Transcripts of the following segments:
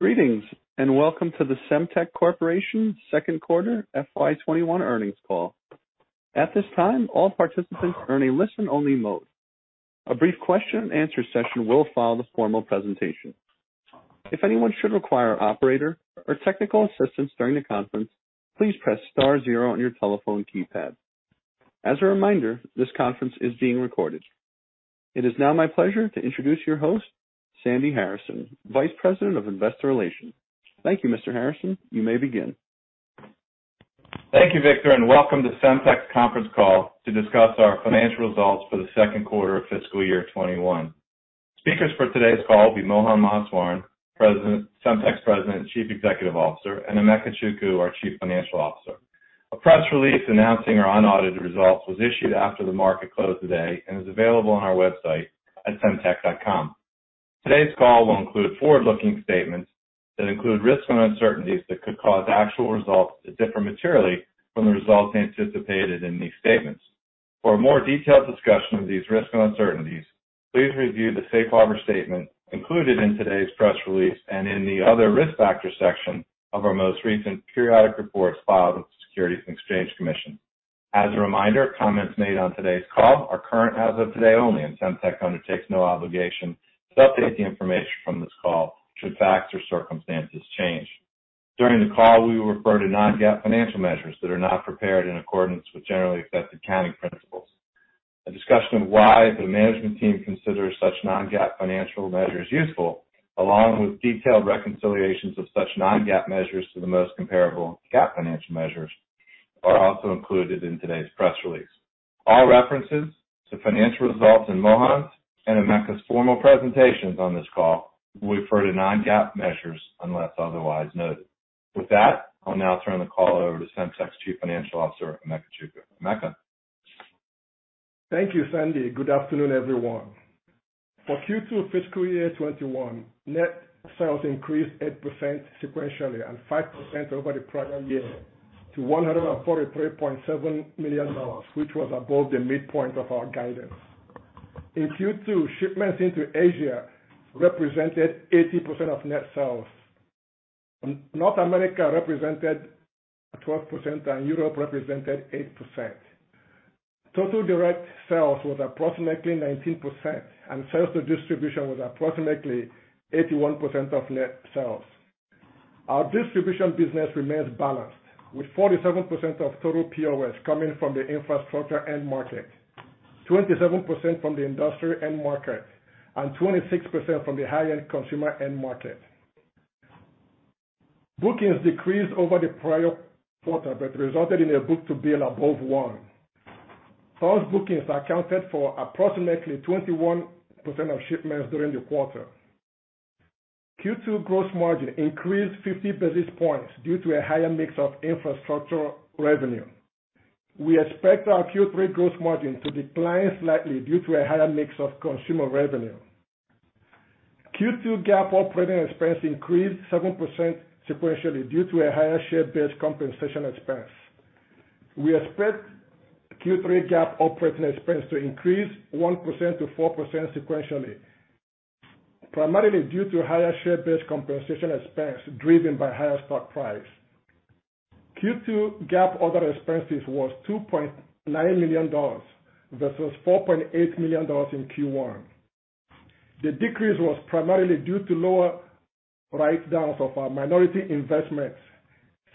Greetings, and welcome to the Semtech Corporation second quarter FY 2021 earnings call. At this time, all participants are in a listen-only mode. A brief question and answer session will follow the formal presentation. If anyone should require an operator, or technical assistance during the conference, please press star zero on your telephone keypad. As a reminder, this conference is being recorded. It is now my pleasure to introduce your host, Sandy Harrison, Vice President of Investor Relations. Thank you, Mr. Harrison. You may begin. Thank you, Victor, welcome to Semtech's conference call to discuss our financial results for the second quarter of fiscal year 2021. Speakers for today's call will be Mohan Maheswaran, Semtech's President and Chief Executive Officer, and Emeka Chukwu, our Chief Financial Officer. A press release announcing our unaudited results was issued after the market closed today and is available on our website at semtech.com. Today's call will include forward-looking statements that include risks and uncertainties that could cause actual results to differ materially from the results anticipated in these statements. For a more detailed discussion of these risks and uncertainties, please review the safe harbor statement included in today's press release and in the Other Risk Factors section of our most recent periodic reports filed with the Securities and Exchange Commission. As a reminder, comments made on today's call are current as of today only, and Semtech undertakes no obligation to update the information from this call should facts or circumstances change. During the call, we will refer to non-GAAP financial measures that are not prepared in accordance with generally accepted accounting principles. A discussion of why the management team considers such non-GAAP financial measures useful, along with detailed reconciliations of such non-GAAP measures to the most comparable GAAP financial measures, are also included in today's press release. All references to financial results in Mohan's and Emeka's formal presentations on this call will refer to non-GAAP measures unless otherwise noted. With that, I'll now turn the call over to Semtech's Chief Financial Officer, Emeka Chukwu. Emeka? Thank you, Sandy. Good afternoon, everyone. For Q2 fiscal year 2021, net sales increased 8% sequentially and 5% over the prior year to $143.7 million, which was above the midpoint of our guidance. In Q2, shipments into Asia represented 80% of net sales. North America represented 12%, and Europe represented 8%. Total direct sales was approximately 19%, and sales to distribution was approximately 81% of net sales. Our distribution business remains balanced, with 47% of total POS coming from the infrastructure end market, 27% from the industrial end market, and 26% from the high-end consumer end market. Bookings decreased over the prior quarter, but resulted in a book-to-bill above 1x. Those bookings accounted for approximately 21% of shipments during the quarter. Q2 gross margin increased 50 basis points due to a higher mix of infrastructure revenue. We expect our Q3 gross margin to decline slightly due to a higher mix of consumer revenue. Q2 GAAP operating expense increased 7% sequentially due to a higher share-based compensation expense. We expect Q3 GAAP operating expense to increase 1%-4% sequentially, primarily due to higher share-based compensation expense driven by higher stock price. Q2 GAAP other expenses was $2.9 million versus $4.8 million in Q1. The decrease was primarily due to lower write-downs of our minority investments,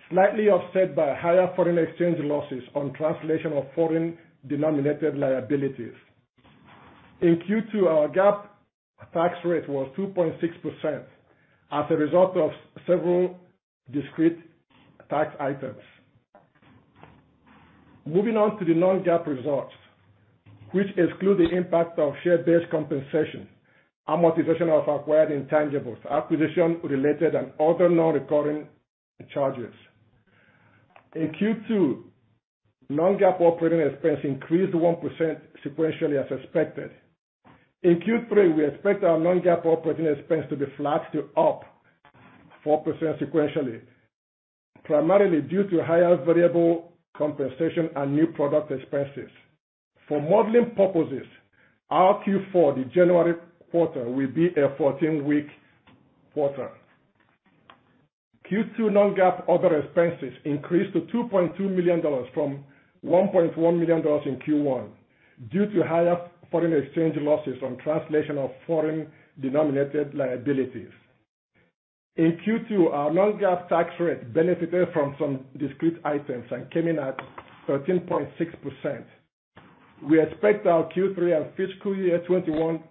slightly offset by higher foreign exchange losses on translation of foreign-denominated liabilities. In Q2, our GAAP tax rate was 2.6% as a result of several discrete tax items. Moving on to the non-GAAP results, which exclude the impact of share-based compensation, amortization of acquired intangibles, acquisition-related, and other non-recurring charges. In Q2, non-GAAP operating expense increased 1% sequentially as expected. In Q3, we expect our non-GAAP operating expense to be flat to up 4% sequentially, primarily due to higher variable compensation and new product expenses. For modeling purposes, our Q4, the January quarter, will be a 14-week quarter. Q2 non-GAAP other expenses increased to $2.2 million from $1.1 million in Q1 due to higher foreign exchange losses on translation of foreign-denominated liabilities. In Q2, our non-GAAP tax rate benefited from some discrete items and came in at 13.6%. We expect our Q3 and fiscal year 2021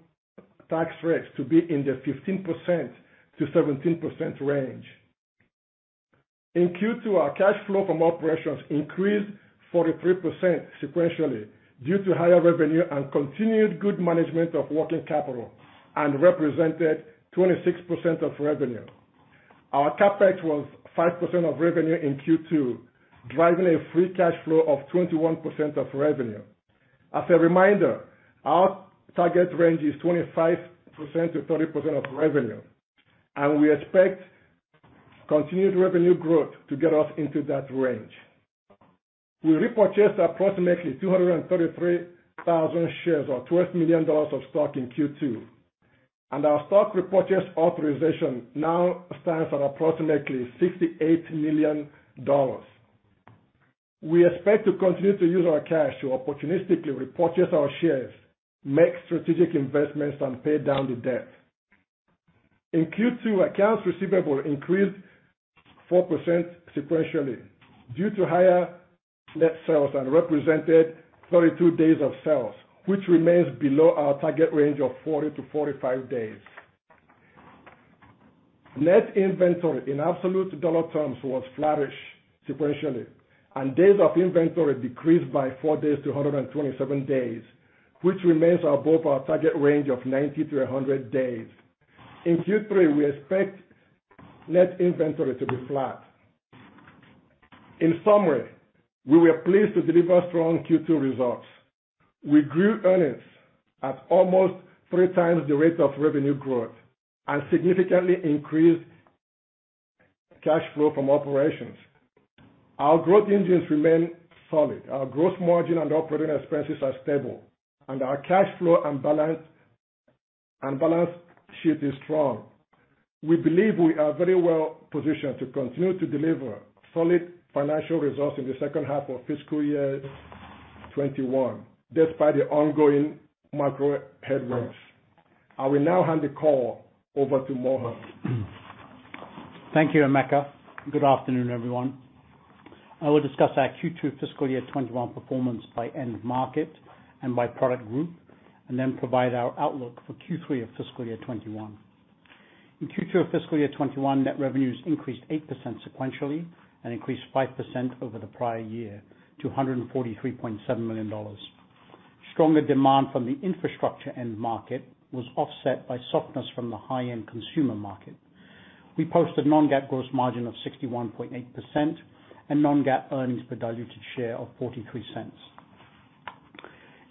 tax rates to be in the 15%-17% range. In Q2, our cash flow from operations increased 43% sequentially due to higher revenue and continued good management of working capital and represented 26% of revenue. Our CapEx was 5% of revenue in Q2, driving a free cash flow of 21% of revenue. As a reminder, our target range is 25%-30% of revenue. We expect continued revenue growth to get us into that range. We repurchased approximately 233,000 shares or $12 million of stock in Q2. Our stock repurchase authorization now stands at approximately $68 million. We expect to continue to use our cash to opportunistically repurchase our shares, make strategic investments, and pay down the debt. In Q2, accounts receivable increased 4% sequentially due to higher net sales and represented 32 days of sales, which remains below our target range of 40-45 days. Net inventory in absolute dollar terms was flat-ish sequentially. Days of inventory decreased by four days to 127 days, which remains above our target range of 90-100 days. In Q3, we expect net inventory to be flat. In summary, we were pleased to deliver strong Q2 results. We grew earnings at almost three times the rate of revenue growth and significantly increased cash flow from operations. Our growth engines remain solid. Our gross margin and operating expenses are stable, and our cash flow and balance sheet is strong. We believe we are very well positioned to continue to deliver solid financial results in the second half of fiscal year 2021, despite the ongoing macro headwinds. I will now hand the call over to Mohan. Thank you, Emeka. Good afternoon, everyone. I will discuss our Q2 fiscal year 2021 performance by end market and by product group, and then provide our outlook for Q3 of fiscal year 2021. In Q2 of fiscal year 2021, net revenues increased 8% sequentially and increased 5% over the prior year to $143.7 million. Stronger demand from the infrastructure end market was offset by softness from the high-end consumer market. We posted non-GAAP gross margin of 61.8% and non-GAAP earnings per diluted share of $0.43.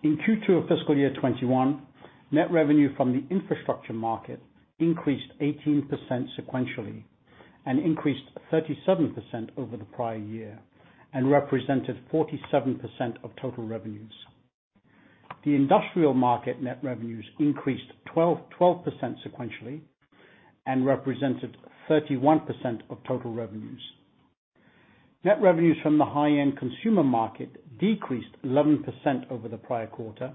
In Q2 of fiscal year 2021, net revenue from the infrastructure market increased 18% sequentially and increased 37% over the prior year and represented 47% of total revenues. The industrial market net revenues increased 12% sequentially and represented 31% of total revenues. Net revenues from the high-end consumer market decreased 11% over the prior quarter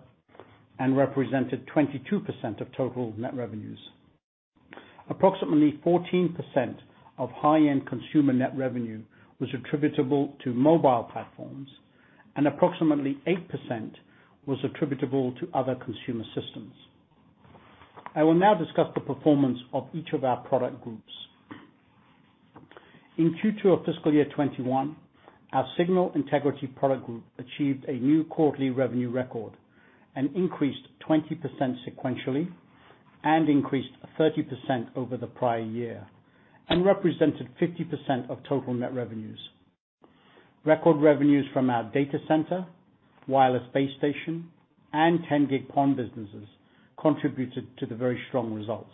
and represented 22% of total net revenues. Approximately 14% of high-end consumer net revenue was attributable to mobile platforms, and approximately 8% was attributable to other consumer systems. I will now discuss the performance of each of our product groups. In Q2 of fiscal year 2021, our signal integrity product group achieved a new quarterly revenue record and increased 20% sequentially and increased 30% over the prior year and represented 50% of total net revenues. Record revenues from our data center, wireless base station, and 10 gig PON businesses contributed to the very strong results.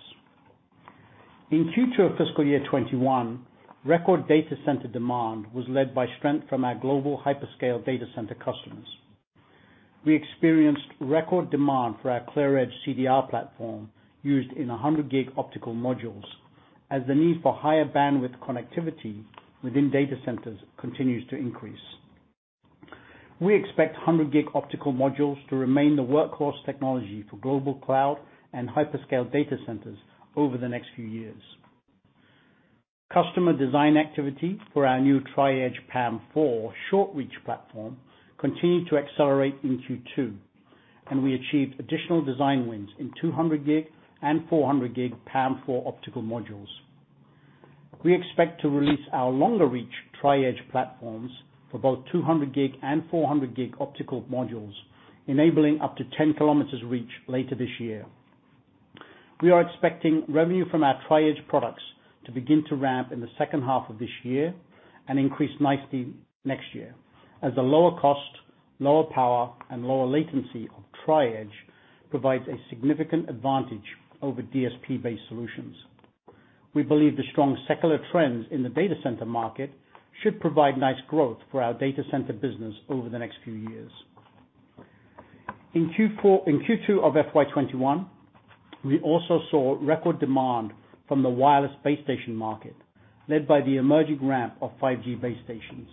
In Q2 of fiscal year 2021, record data center demand was led by strength from our global hyperscale data center customers. We experienced record demand for our ClearEdge CDR platform, used in 100 gig optical modules as the need for higher bandwidth connectivity within data centers continues to increase. We expect 100 gig optical modules to remain the workhorse technology for global cloud and hyperscale data centers over the next few years. Customer design activity for our new Tri-Edge PAM4 short reach platform continued to accelerate in Q2, and we achieved additional design wins in 200 gig and 400 gig PAM4 optical modules. We expect to release our longer reach Tri-Edge platforms for both 200 gig and 400 gig optical modules, enabling up to 10 km reach later this year. We are expecting revenue from our Tri-Edge products to begin to ramp in the second half of this year and increase nicely next year as the lower cost, lower power, and lower latency of Tri-Edge provides a significant advantage over DSP-based solutions. We believe the strong secular trends in the data center market should provide nice growth for our data center business over the next few years. In Q2 of FY 2021, we also saw record demand from the wireless base station market, led by the emerging ramp of 5G base stations.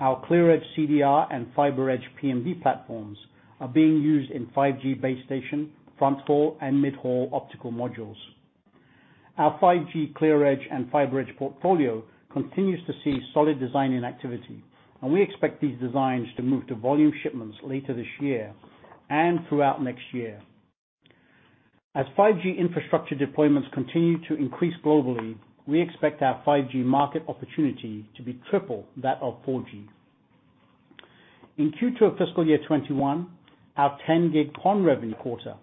Our ClearEdge CDR and FiberEdge PMD platforms are being used in 5G base station, front haul, and mid-haul optical modules. Our 5G ClearEdge and FiberEdge portfolio continues to see solid designing activity, and we expect these designs to move to volume shipments later this year and throughout next year. As 5G infrastructure deployments continue to increase globally, we expect our 5G market opportunity to be triple that of 4G. In Q2 of fiscal year 2021, our 10 gig PON revenue quarter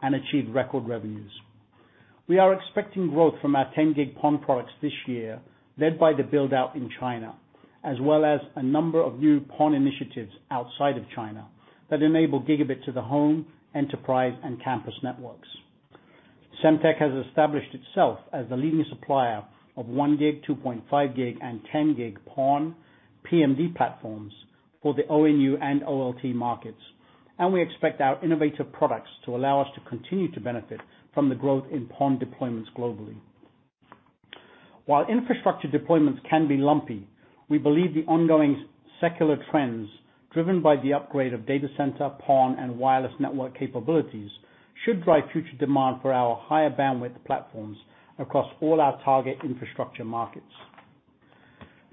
and achieved record revenues. We are expecting growth from our 10 gig PON products this year, led by the build-out in China, as well as a number of new PON initiatives outside of China that enable gigabit to the home, enterprise, and campus networks. Semtech has established itself as the leading supplier of 1 gig, 2.5 gig, and 10 gig PON PMD platforms for the ONU and OLT markets. We expect our innovative products to allow us to continue to benefit from the growth in PON deployments globally. While infrastructure deployments can be lumpy, we believe the ongoing secular trends, driven by the upgrade of data center, PON, and wireless network capabilities, should drive future demand for our higher bandwidth platforms across all our target infrastructure markets.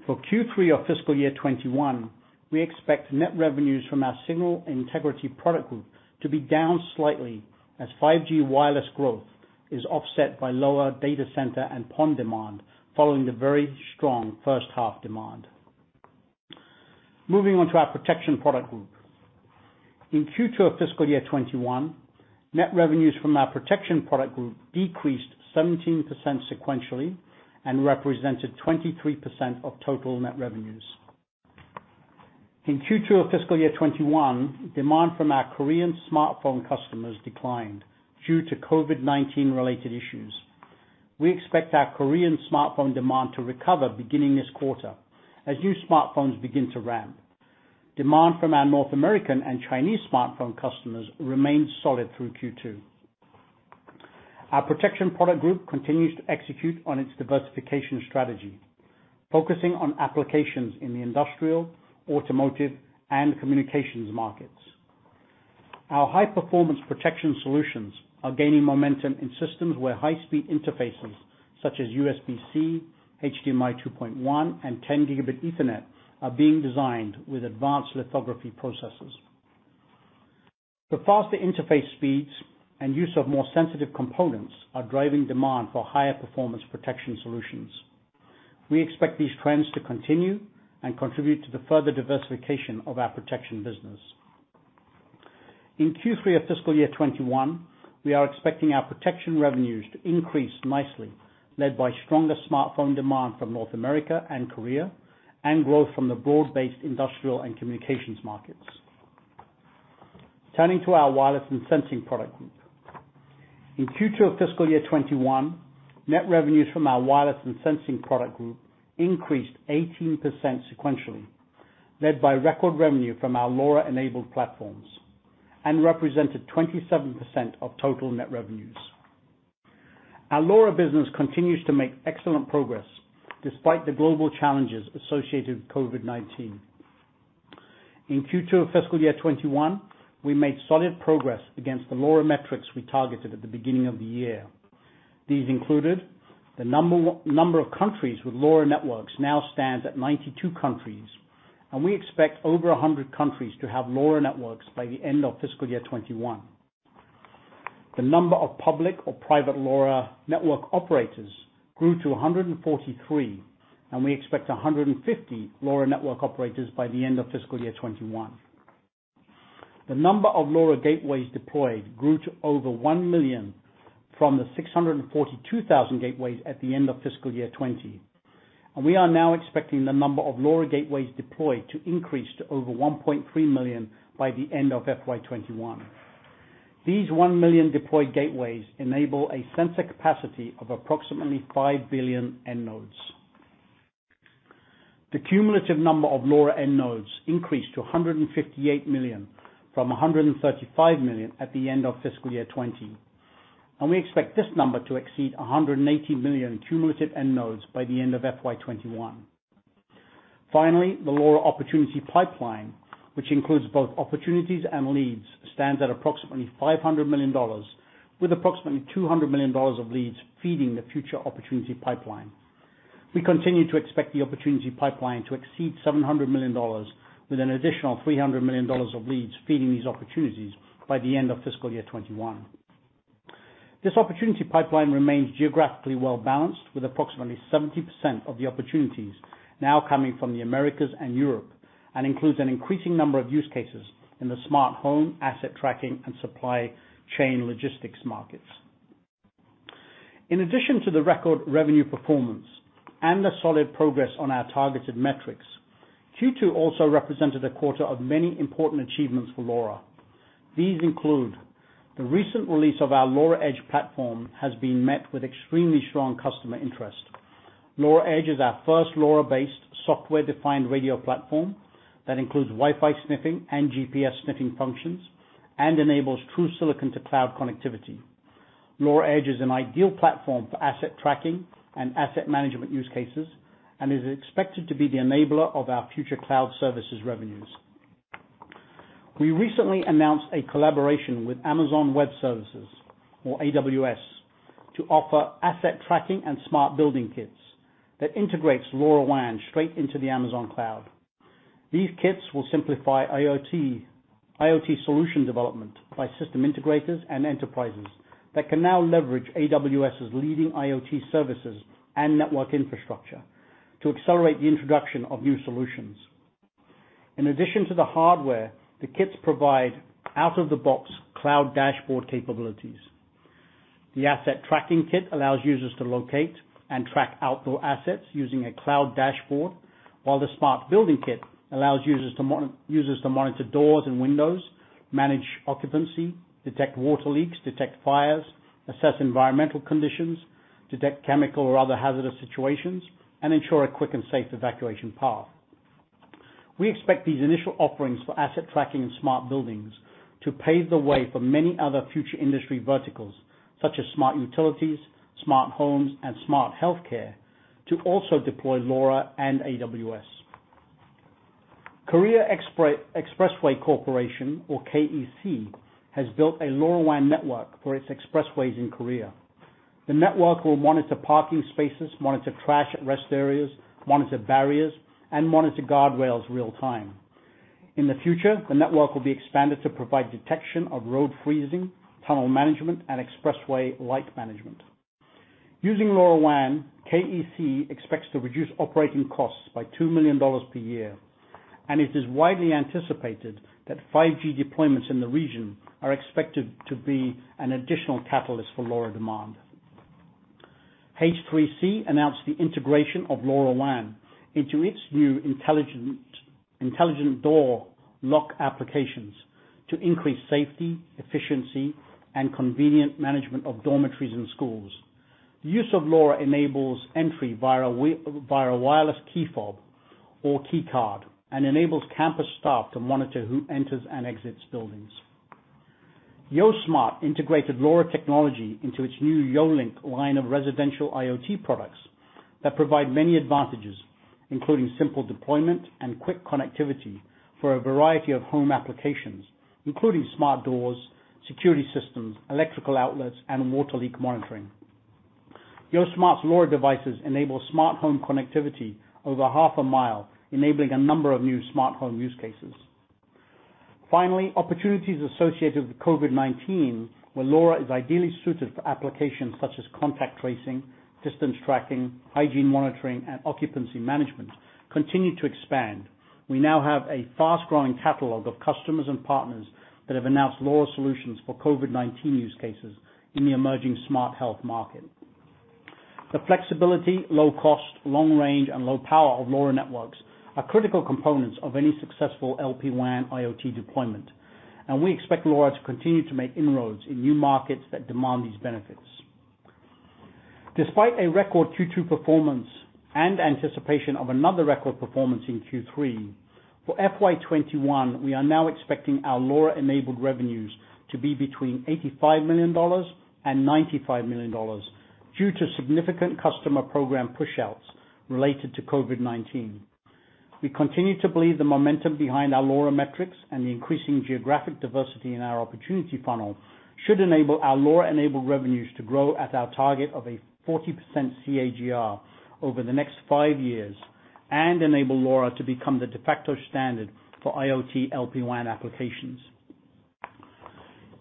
For Q3 of fiscal year 2021, we expect net revenues from our signal integrity product group to be down slightly, as 5G wireless growth is offset by lower data center and PON demand following the very strong first half demand. Moving on to our protection product group. In Q2 of fiscal year 2021, net revenues from our protection product group decreased 17% sequentially and represented 23% of total net revenues. In Q2 of fiscal year 2021, demand from our Korean smartphone customers declined due to COVID-19 related issues. We expect our Korean smartphone demand to recover beginning this quarter as new smartphones begin to ramp. Demand from our North American and Chinese smartphone customers remained solid through Q2. Our protection product group continues to execute on its diversification strategy, focusing on applications in the industrial, automotive, and communications markets. Our high-performance protection solutions are gaining momentum in systems where high-speed interfaces such as USB-C, HDMI 2.1, and 10 Gb Ethernet are being designed with advanced lithography processes. The faster interface speeds and use of more sensitive components are driving demand for higher performance protection solutions. We expect these trends to continue and contribute to the further diversification of our protection business. In Q3 of fiscal year 2021, we are expecting our protection revenues to increase nicely, led by stronger smartphone demand from North America and Korea, and growth from the broad-based industrial and communications markets. Turning to our wireless and sensing product group. In Q2 of fiscal year 2021, net revenues from our wireless and sensing product group increased 18% sequentially, led by record revenue from our LoRa-enabled platforms, and represented 27% of total net revenues. Our LoRa business continues to make excellent progress despite the global challenges associated with COVID-19. In Q2 of fiscal year 2021, we made solid progress against the LoRa metrics we targeted at the beginning of the year. These included the number of countries with LoRa networks now stands at 92 countries, and we expect over 100 countries to have LoRa networks by the end of fiscal year 2021. The number of public or private LoRa network operators grew to 143, and we expect 150 LoRa network operators by the end of fiscal year 2021. The number of LoRa gateways deployed grew to over 1 million from the 642,000 gateways at the end of fiscal year 2020. We are now expecting the number of LoRa gateways deployed to increase to over 1.3 million by the end of FY 2021. These 1 million deployed gateways enable a sensor capacity of approximately 5 billion end nodes. The cumulative number of LoRa end nodes increased to 158 million from 135 million at the end of fiscal year 2020. We expect this number to exceed 180 million cumulative end nodes by the end of FY 2021. The LoRa opportunity pipeline, which includes both opportunities and leads, stands at approximately $500 million, with approximately $200 million of leads feeding the future opportunity pipeline. We continue to expect the opportunity pipeline to exceed $700 million, with an additional $300 million of leads feeding these opportunities by the end of fiscal year 2021. This opportunity pipeline remains geographically well-balanced, with approximately 70% of the opportunities now coming from the Americas and Europe, and includes an increasing number of use cases in the smart home, asset tracking, and supply chain logistics markets. In addition to the record revenue performance and the solid progress on our targeted metrics, Q2 also represented a quarter of many important achievements for LoRa. These include the recent release of our LoRa Edge platform has been met with extremely strong customer interest. LoRa Edge is our first LoRa-based software-defined radio platform that includes Wi-Fi sniffing and GPS sniffing functions and enables true silicon-to-cloud connectivity. LoRa Edge is an ideal platform for asset tracking and asset management use cases and is expected to be the enabler of our future cloud services revenues. We recently announced a collaboration with Amazon Web Services, or AWS, to offer asset tracking and smart building kits that integrates LoRaWAN straight into the Amazon cloud. These kits will simplify IoT solution development by system integrators and enterprises that can now leverage AWS's leading IoT services and network infrastructure to accelerate the introduction of new solutions. In addition to the hardware, the kits provide out-of-the-box cloud dashboard capabilities. The asset tracking kit allows users to locate and track outdoor assets using a cloud dashboard. While the smart building kit allows users to monitor doors and windows, manage occupancy, detect water leaks, detect fires, assess environmental conditions, detect chemical or other hazardous situations, and ensure a quick and safe evacuation path. We expect these initial offerings for asset tracking and smart buildings to pave the way for many other future industry verticals, such as smart utilities, smart homes, and smart healthcare, to also deploy LoRa and AWS. Korea Expressway Corporation, or KEC, has built a LoRaWAN network for its expressways in Korea. The network will monitor parking spaces, monitor trash at rest areas, monitor barriers, and monitor guardrails real-time. In the future, the network will be expanded to provide detection of road freezing, tunnel management, and expressway light management. Using LoRaWAN, KEC expects to reduce operating costs by $2 million per year, and it is widely anticipated that 5G deployments in the region are expected to be an additional catalyst for LoRa demand. H3C announced the integration of LoRaWAN into its new intelligent door lock applications to increase safety, efficiency, and convenient management of dormitories in schools. The use of LoRa enables entry via a wireless key fob or key card and enables campus staff to monitor who enters and exits buildings. YoSmart integrated LoRa technology into its new YoLink line of residential IoT products that provide many advantages, including simple deployment and quick connectivity for a variety of home applications, including smart doors, security systems, electrical outlets, and water leak monitoring. YoSmart's LoRa devices enable smart home connectivity over half a mile, enabling a number of new smart home use cases. Finally, opportunities associated with COVID-19, where LoRa is ideally suited for applications such as contact tracing, distance tracking, hygiene monitoring, and occupancy management, continue to expand. We now have a fast-growing catalog of customers and partners that have announced LoRa solutions for COVID-19 use cases in the emerging smart health market. The flexibility, low cost, long range, and low power of LoRa networks are critical components of any successful LPWAN IoT deployment, and we expect LoRa to continue to make inroads in new markets that demand these benefits. Despite a record Q2 performance and anticipation of another record performance in Q3, for FY 2021, we are now expecting our LoRa-enabled revenues to be between $85 million and $95 million due to significant customer program pushouts related to COVID-19. We continue to believe the momentum behind our LoRa metrics and the increasing geographic diversity in our opportunity funnel should enable our LoRa-enabled revenues to grow at our target of a 40% CAGR over the next five years and enable LoRa to become the de facto standard for IoT LPWAN applications.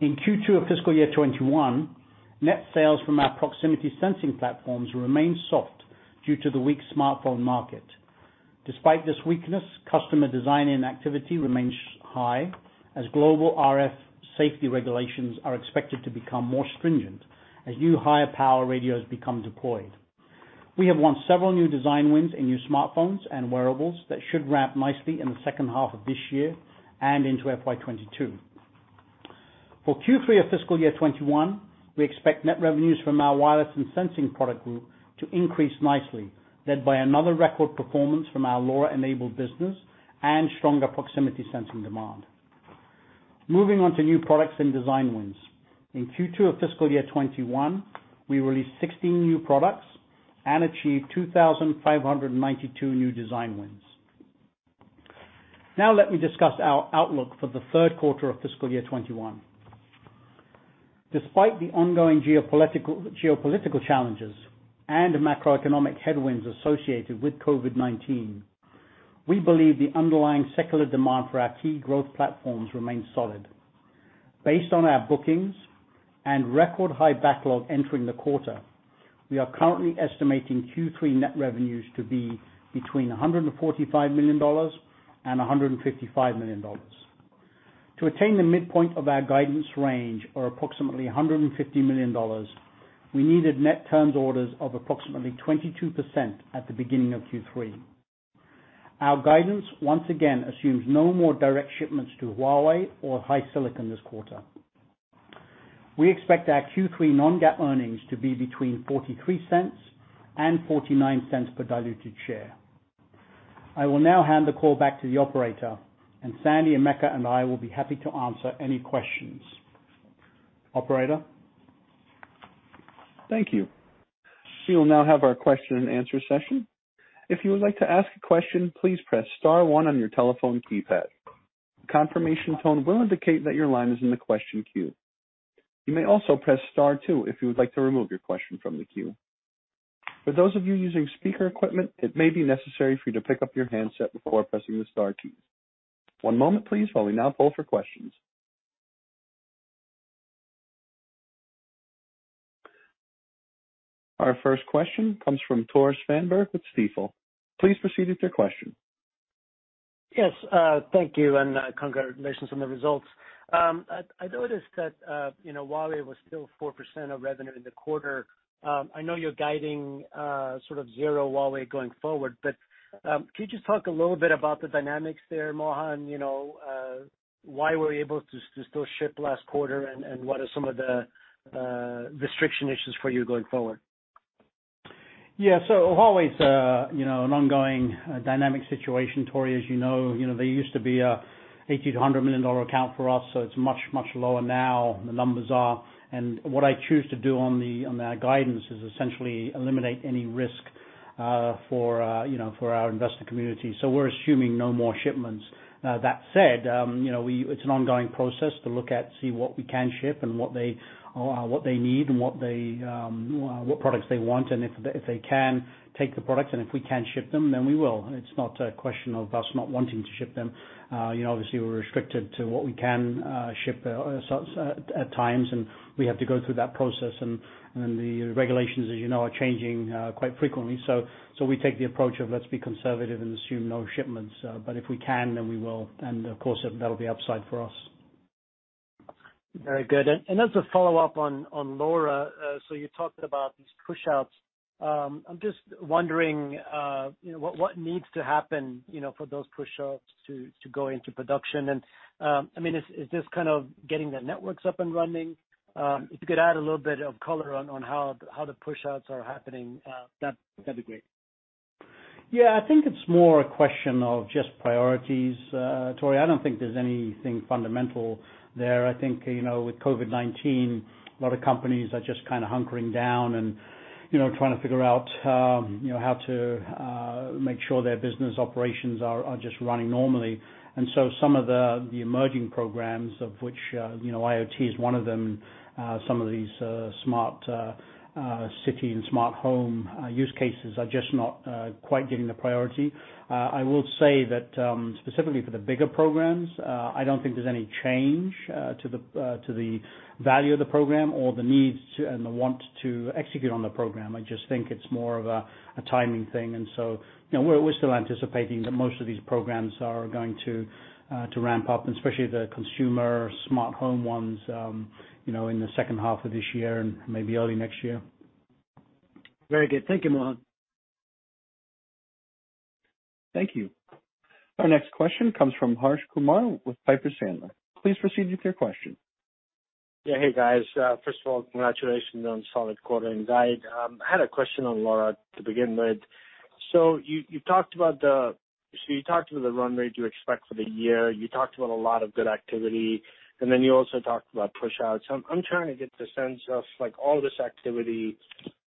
In Q2 of fiscal year 2021, net sales from our proximity sensing platforms remained soft due to the weak smartphone market. Despite this weakness, customer design and activity remains high as global RF safety regulations are expected to become more stringent as new higher power radios become deployed. We have won several new design wins in new smartphones and wearables that should ramp nicely in the second half of this year and into FY 2022. For Q3 of fiscal year 2021, we expect net revenues from our wireless and sensing product group to increase nicely, led by another record performance from our LoRa-enabled business and stronger proximity sensing demand. Moving on to new products and design wins. In Q2 of fiscal year 2021, we released 16 new products and achieved 2,592 new design wins. Let me discuss our outlook for the third quarter of fiscal year 2021. Despite the ongoing geopolitical challenges and the macroeconomic headwinds associated with COVID-19, we believe the underlying secular demand for our key growth platforms remains solid. Based on our bookings and record high backlog entering the quarter, we are currently estimating Q3 net revenues to be between $145 million and $155 million. To attain the midpoint of our guidance range or approximately $150 million, we needed net turns orders of approximately 22% at the beginning of Q3. Our guidance, once again, assumes no more direct shipments to Huawei or HiSilicon this quarter. We expect our Q3 non-GAAP earnings to be between $0.43 and $0.49 per diluted share. I will now hand the call back to the operator, and Sandy and Emeka and I will be happy to answer any questions. Operator? Thank you. We will now have our question and answer session. If you would like to ask a question, please press star one on your telephone keypad. Confirmation tone will indicate that your line is in the question queue. You may also press star two if you would like to remove your question from the queue. For those of you using speaker equipment, it may be necessary for you to pick up your handset before pressing the star key. One moment please while we now poll for questions. Our first question comes from Tore Svanberg with Stifel. Please proceed with your question. Yes. Thank you, and congratulations on the results. I noticed that Huawei was still 4% of revenue in the quarter. I know you're guiding sort of zero Huawei going forward, but can you just talk a little bit about the dynamics there, Mohan? Why were you able to still ship last quarter and what are some of the restriction issues for you going forward? Yeah. Huawei's an ongoing dynamic situation, Tore, as you know. They used to be a $80 million-$100 million account for us, it's much lower now, the numbers are. What I choose to do on that guidance is essentially eliminate any risk for our investor community. We're assuming no more shipments. That said, it's an ongoing process to look at, see what we can ship and what they need and what products they want and if they can take the products and if we can ship them, we will. It's not a question of us not wanting to ship them. Obviously, we're restricted to what we can ship at times, we have to go through that process. The regulations, as you know, are changing quite frequently. We take the approach of let's be conservative and assume no shipments. If we can, then we will. Of course, that'll be upside for us. Very good. As a follow-up on LoRa, you talked about these push-outs. I'm just wondering what needs to happen for those push-outs to go into production. Is this kind of getting the networks up and running? If you could add a little bit of color on how the push-outs are happening, that'd be great. Yeah. I think it's more a question of just priorities, Tore. I don't think there's anything fundamental there. I think, with COVID-19, a lot of companies are just kind of hunkering down and trying to figure out how to make sure their business operations are just running normally. Some of the emerging programs, of which IoT is one of them, some of these smart city and smart home use cases are just not quite getting the priority. I will say that, specifically for the bigger programs, I don't think there's any change to the value of the program or the need and the want to execute on the program. I just think it's more of a timing thing. We're still anticipating that most of these programs are going to ramp up, and especially the consumer smart home ones, in the second half of this year and maybe early next year. Very good. Thank you, Mohan. Thank you. Our next question comes from Harsh Kumar with Piper Sandler. Please proceed with your question. Yeah. Hey, guys. First of all, congratulations on a solid quarter and guide. I had a question on LoRa to begin with. You talked about the run rate you expect for the year. You talked about a lot of good activity, and then you also talked about push-outs. I'm trying to get the sense of, all this activity,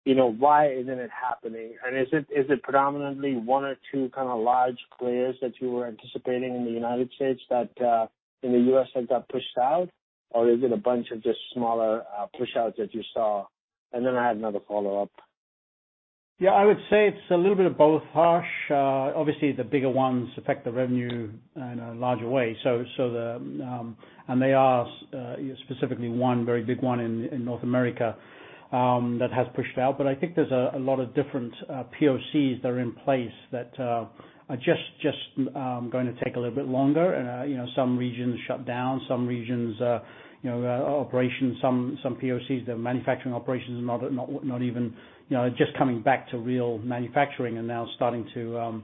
why isn't it happening? Is it predominantly one or two kind of large players that you were anticipating in the United States that in the U.S. have got pushed out, or is it a bunch of just smaller push-outs that you saw? I had another follow-up. Yeah, I would say it's a little bit of both, Harsh. Obviously, the bigger ones affect the revenue in a larger way. They are specifically one very big one in North America that has pushed out. I think there's a lot of different POCs that are in place that are just going to take a little bit longer. Some regions shut down, some regions, operations, some POCs, their manufacturing operations are not even just coming back to real manufacturing and now starting to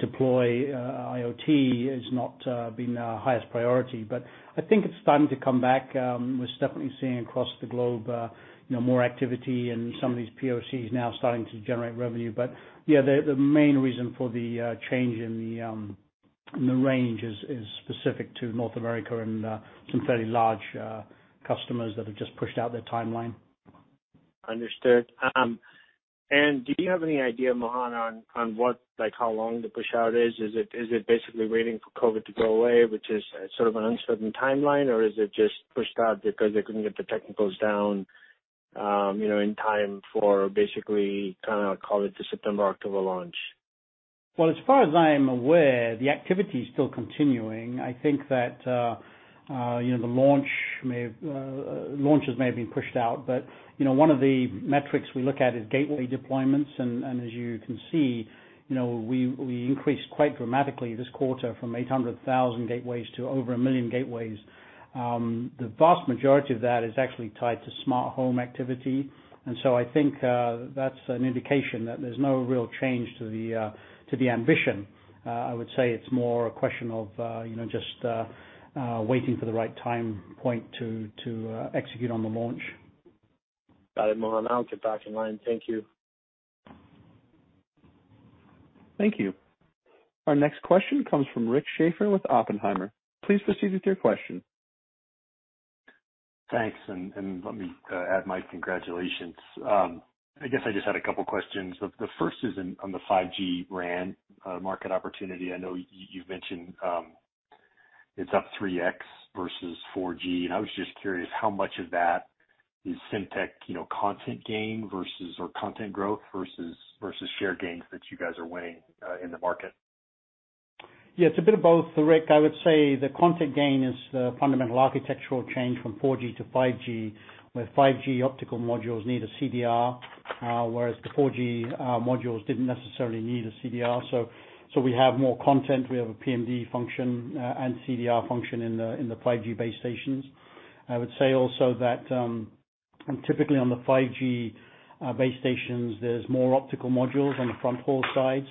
deploy IoT has not been the highest priority. I think it's starting to come back. We're definitely seeing across the globe more activity and some of these POCs now starting to generate revenue. Yeah, the main reason for the change in the range is specific to North America and some fairly large customers that have just pushed out their timeline. Understood. Do you have any idea, Mohan, on how long the push out is? Is it basically waiting for COVID to go away, which is sort of an uncertain timeline, or is it just pushed out because they couldn't get the technicals down in time for basically kind of call it the September, October launch? Well, as far as I am aware, the activity is still continuing. I think that launches may have been pushed out, but one of the metrics we look at is gateway deployments. As you can see, we increased quite dramatically this quarter from 800,000 gateways to over 1 million gateways. The vast majority of that is actually tied to smart home activity. I think that's an indication that there's no real change to the ambition. I would say it's more a question of just waiting for the right time point to execute on the launch. Got it, Mohan. I'll get back in line. Thank you. Thank you. Our next question comes from Rick Schafer with Oppenheimer. Please proceed with your question. Thanks. Let me add my congratulations. I guess I just had a couple questions. The first is on the 5G RAN market opportunity. I know you've mentioned it's up 3x versus 4G. I was just curious how much of that is Semtech content gain versus, or content growth versus share gains that you guys are winning in the market? Yeah, it's a bit of both, Rick. I would say the content gain is the fundamental architectural change from 4G to 5G, where 5G optical modules need a CDR, whereas the 4G modules didn't necessarily need a CDR. We have more content. We have a PMD function and CDR function in the 5G base stations. I would say also that typically on the 5G base stations, there's more optical modules on the front haul side.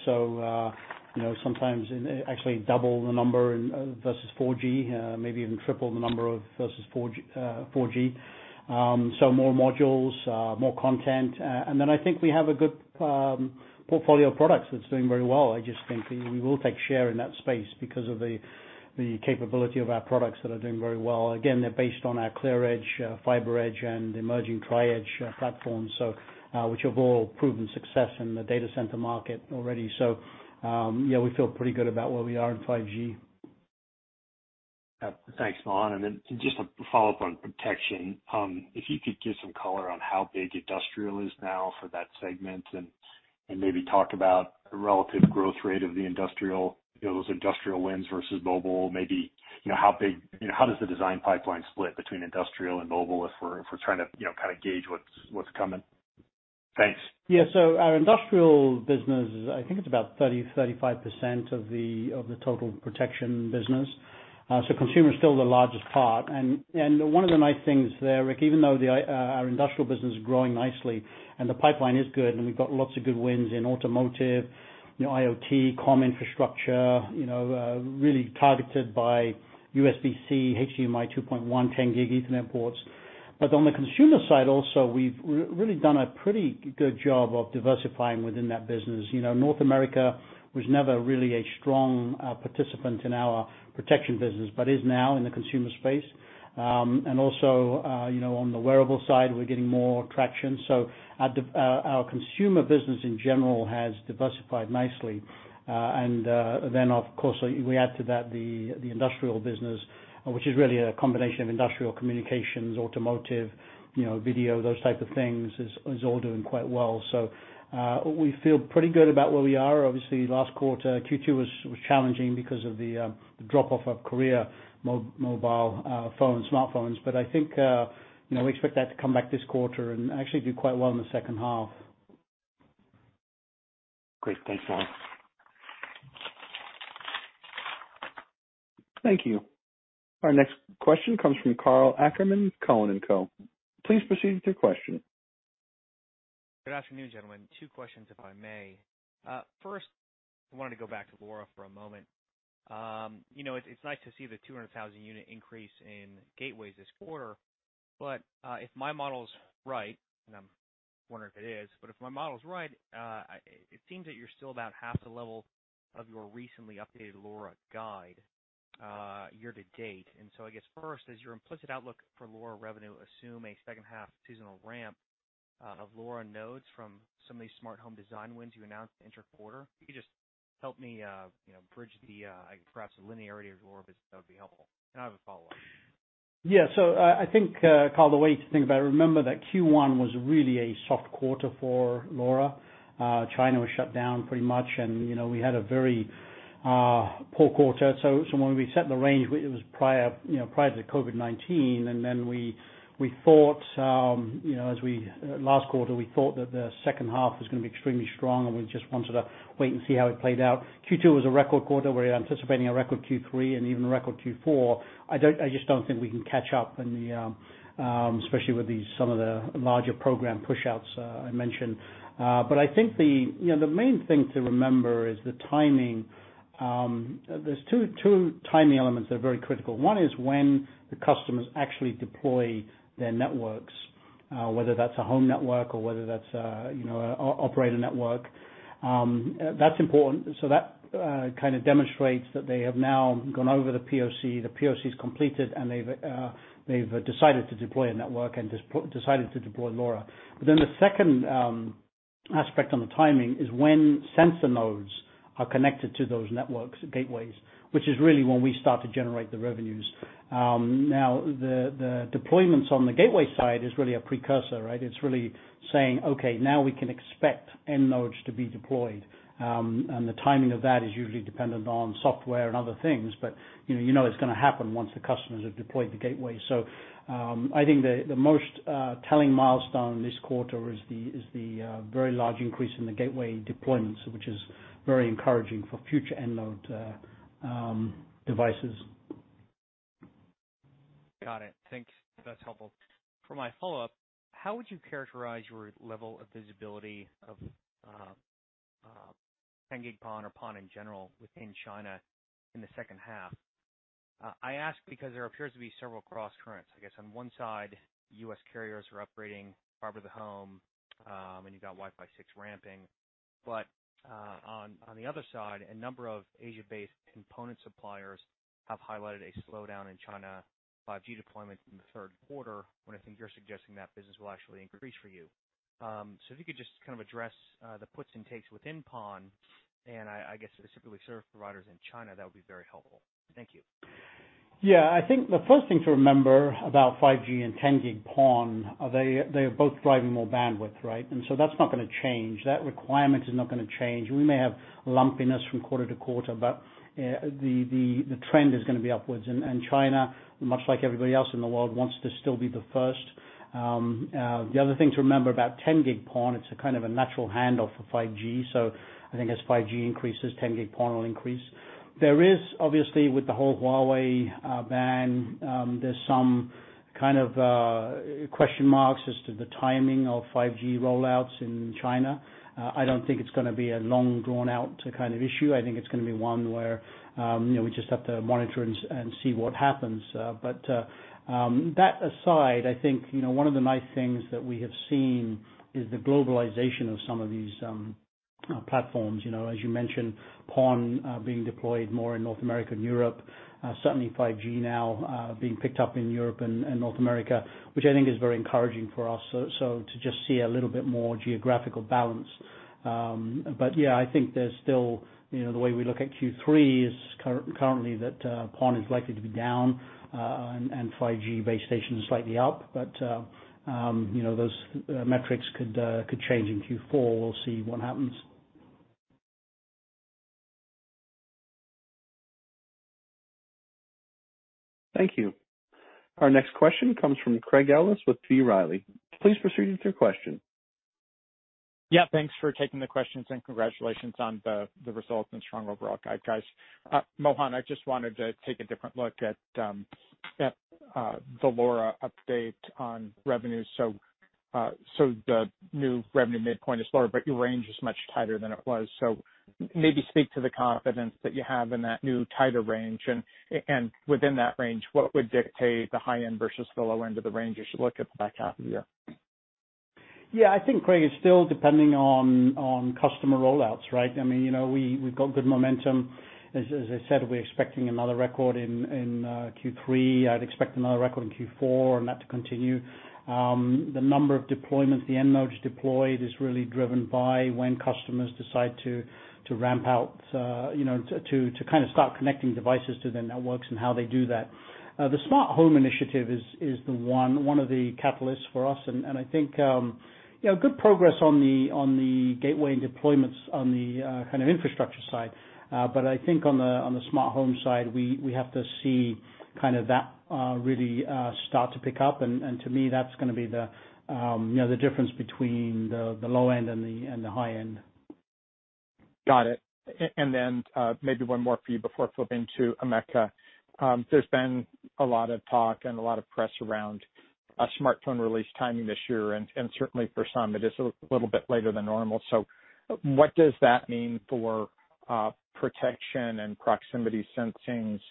Sometimes actually double the number versus 4G, maybe even triple the number versus 4G. More modules, more content. I think we have a good portfolio of products that's doing very well. I just think we will take share in that space because of the capability of our products that are doing very well. They're based on our ClearEdge, FiberEdge, and emerging Tri-Edge platform, which have all proven success in the data center market already. Yeah, we feel pretty good about where we are in 5G. Thanks, Mohan. Just to follow up on protection, if you could give some color on how big industrial is now for that segment and maybe talk about the relative growth rate of those industrial wins versus mobile, maybe how does the design pipeline split between industrial and mobile if we're trying to kind of gauge what's coming? Thanks. Our industrial business is, I think it's about 30%-35% of the total protection business. Consumer is still the largest part. One of the nice things there, Rick, even though our industrial business is growing nicely and the pipeline is good, and we've got lots of good wins in automotive, IoT, comm infrastructure, really targeted by USB-C, HDMI 2.1, 10 gig Ethernet ports. On the consumer side also, we've really done a pretty good job of diversifying within that business. North America was never really a strong participant in our protection business, but is now in the consumer space. Also, on the wearable side, we're getting more traction. Our consumer business in general has diversified nicely. Of course, we add to that the industrial business, which is really a combination of industrial communications, automotive, video, those type of things, is all doing quite well. We feel pretty good about where we are. Obviously, last quarter, Q2 was challenging because of the drop-off of Korea mobile phone, smartphones. I think we expect that to come back this quarter and actually do quite well in the second half. Great. Thanks, Mohan. Thank you. Our next question comes from Karl Ackerman with Cowen and Co. Please proceed with your question. Good afternoon, gentlemen. Two questions, if I may. First, I wanted to go back to LoRa for a moment. It's nice to see the 200,000 unit increase in gateways this quarter. If my model's right, and I'm wondering if it is, but if my model is right, it seems that you're still about half the level of your recently updated LoRa guide year to date. I guess first, does your implicit outlook for LoRa revenue assume a second half seasonal ramp of LoRa nodes from some of these smart home design wins you announced inter quarter? If you could just help me bridge perhaps the linearity of LoRa, that would be helpful, and I have a follow-up. Yeah. I think, Karl, the way to think about it, remember that Q1 was really a soft quarter for LoRa. China was shut down pretty much, and we had a very poor quarter. When we set the range, it was prior to COVID-19, and then last quarter, we thought that the second half was going to be extremely strong and we just wanted to wait and see how it played out. Q2 was a record quarter. We're anticipating a record Q3 and even a record Q4. I just don't think we can catch up, especially with some of the larger program pushouts I mentioned. I think the main thing to remember is the timing. There's two timing elements that are very critical. One is when the customers actually deploy their networks, whether that's a home network or whether that's an operator network. That's important. That kind of demonstrates that they have now gone over the POC, the POC's completed, and they've decided to deploy a network and decided to deploy LoRa. The second aspect on the timing is when sensor nodes are connected to those networks gateways, which is really when we start to generate the revenues. The deployments on the gateway side is really a precursor, right? It's really saying, "Okay, now we can expect end nodes to be deployed." The timing of that is usually dependent on software and other things, but you know it's going to happen once the customers have deployed the gateway. I think the most telling milestone this quarter is the very large increase in the gateway deployments, which is very encouraging for future end node devices. Got it. Thanks. That's helpful. For my follow-up, how would you characterize your level of visibility of 10 gig-PON or PON in general within China in the second half? I ask because there appears to be several cross currents. I guess on one side, U.S. carriers are upgrading fiber to the home, and you've got Wi-Fi 6 ramping. On the other side, a number of Asia-based component suppliers have highlighted a slowdown in China 5G deployment in the third quarter, when I think you're suggesting that business will actually increase for you. If you could just kind of address the puts and takes within PON, and I guess specifically service providers in China, that would be very helpful. Thank you. I think the first thing to remember about 5G and 10 gig-PON, they're both driving more bandwidth, right? That's not gonna change. That requirement is not gonna change. We may have lumpiness from quarter to quarter, but the trend is gonna be upwards. China, much like everybody else in the world, wants to still be the first. The other thing to remember about 10 gig-PON, it's a kind of a natural handoff for 5G. I think as 5G increases, 10 gig-PON will increase. There is, obviously, with the whole Huawei ban, there's some kind of question marks as to the timing of 5G rollouts in China. I don't think it's going to be a long, drawn-out kind of issue. I think it's going to be one where we just have to monitor and see what happens. That aside, I think, one of the nice things that we have seen is the globalization of some of these platforms. As you mentioned, PON being deployed more in North America and Europe. Certainly, 5G now being picked up in Europe and North America, which I think is very encouraging for us, so to just see a little bit more geographical balance. Yeah, I think there's still, the way we look at Q3 is currently that PON is likely to be down, and 5G base stations slightly up. Those metrics could change in Q4. We'll see what happens. Thank you. Our next question comes from Craig Ellis with B. Riley. Please proceed with your question. Thanks for taking the questions and congratulations on the results and strong overall guide, guys. Mohan, I just wanted to take a different look at the LoRa update on revenues. The new revenue midpoint is lower, but your range is much tighter than it was. Maybe speak to the confidence that you have in that new tighter range, and within that range, what would dictate the high end versus the low end of the range as you look at the back half of the year? Yeah, I think Craig, it's still depending on customer rollouts, right? We've got good momentum. As I said, we're expecting another record in Q3. I'd expect another record in Q4 and that to continue. The number of deployments, the end nodes deployed is really driven by when customers decide to ramp out, to kind of start connecting devices to their networks and how they do that. The smart home initiative is one of the catalysts for us. I think, good progress on the gateway and deployments on the infrastructure side. I think on the smart home side, we have to see that really start to pick up. To me, that's going to be the difference between the low end and the high end. Got it. Maybe one more for you before flipping to Emeka. There's been a lot of talk and a lot of press around smartphone release timing this year, and certainly for some, it is a little bit later than normal. What does that mean for protection and proximity sensing's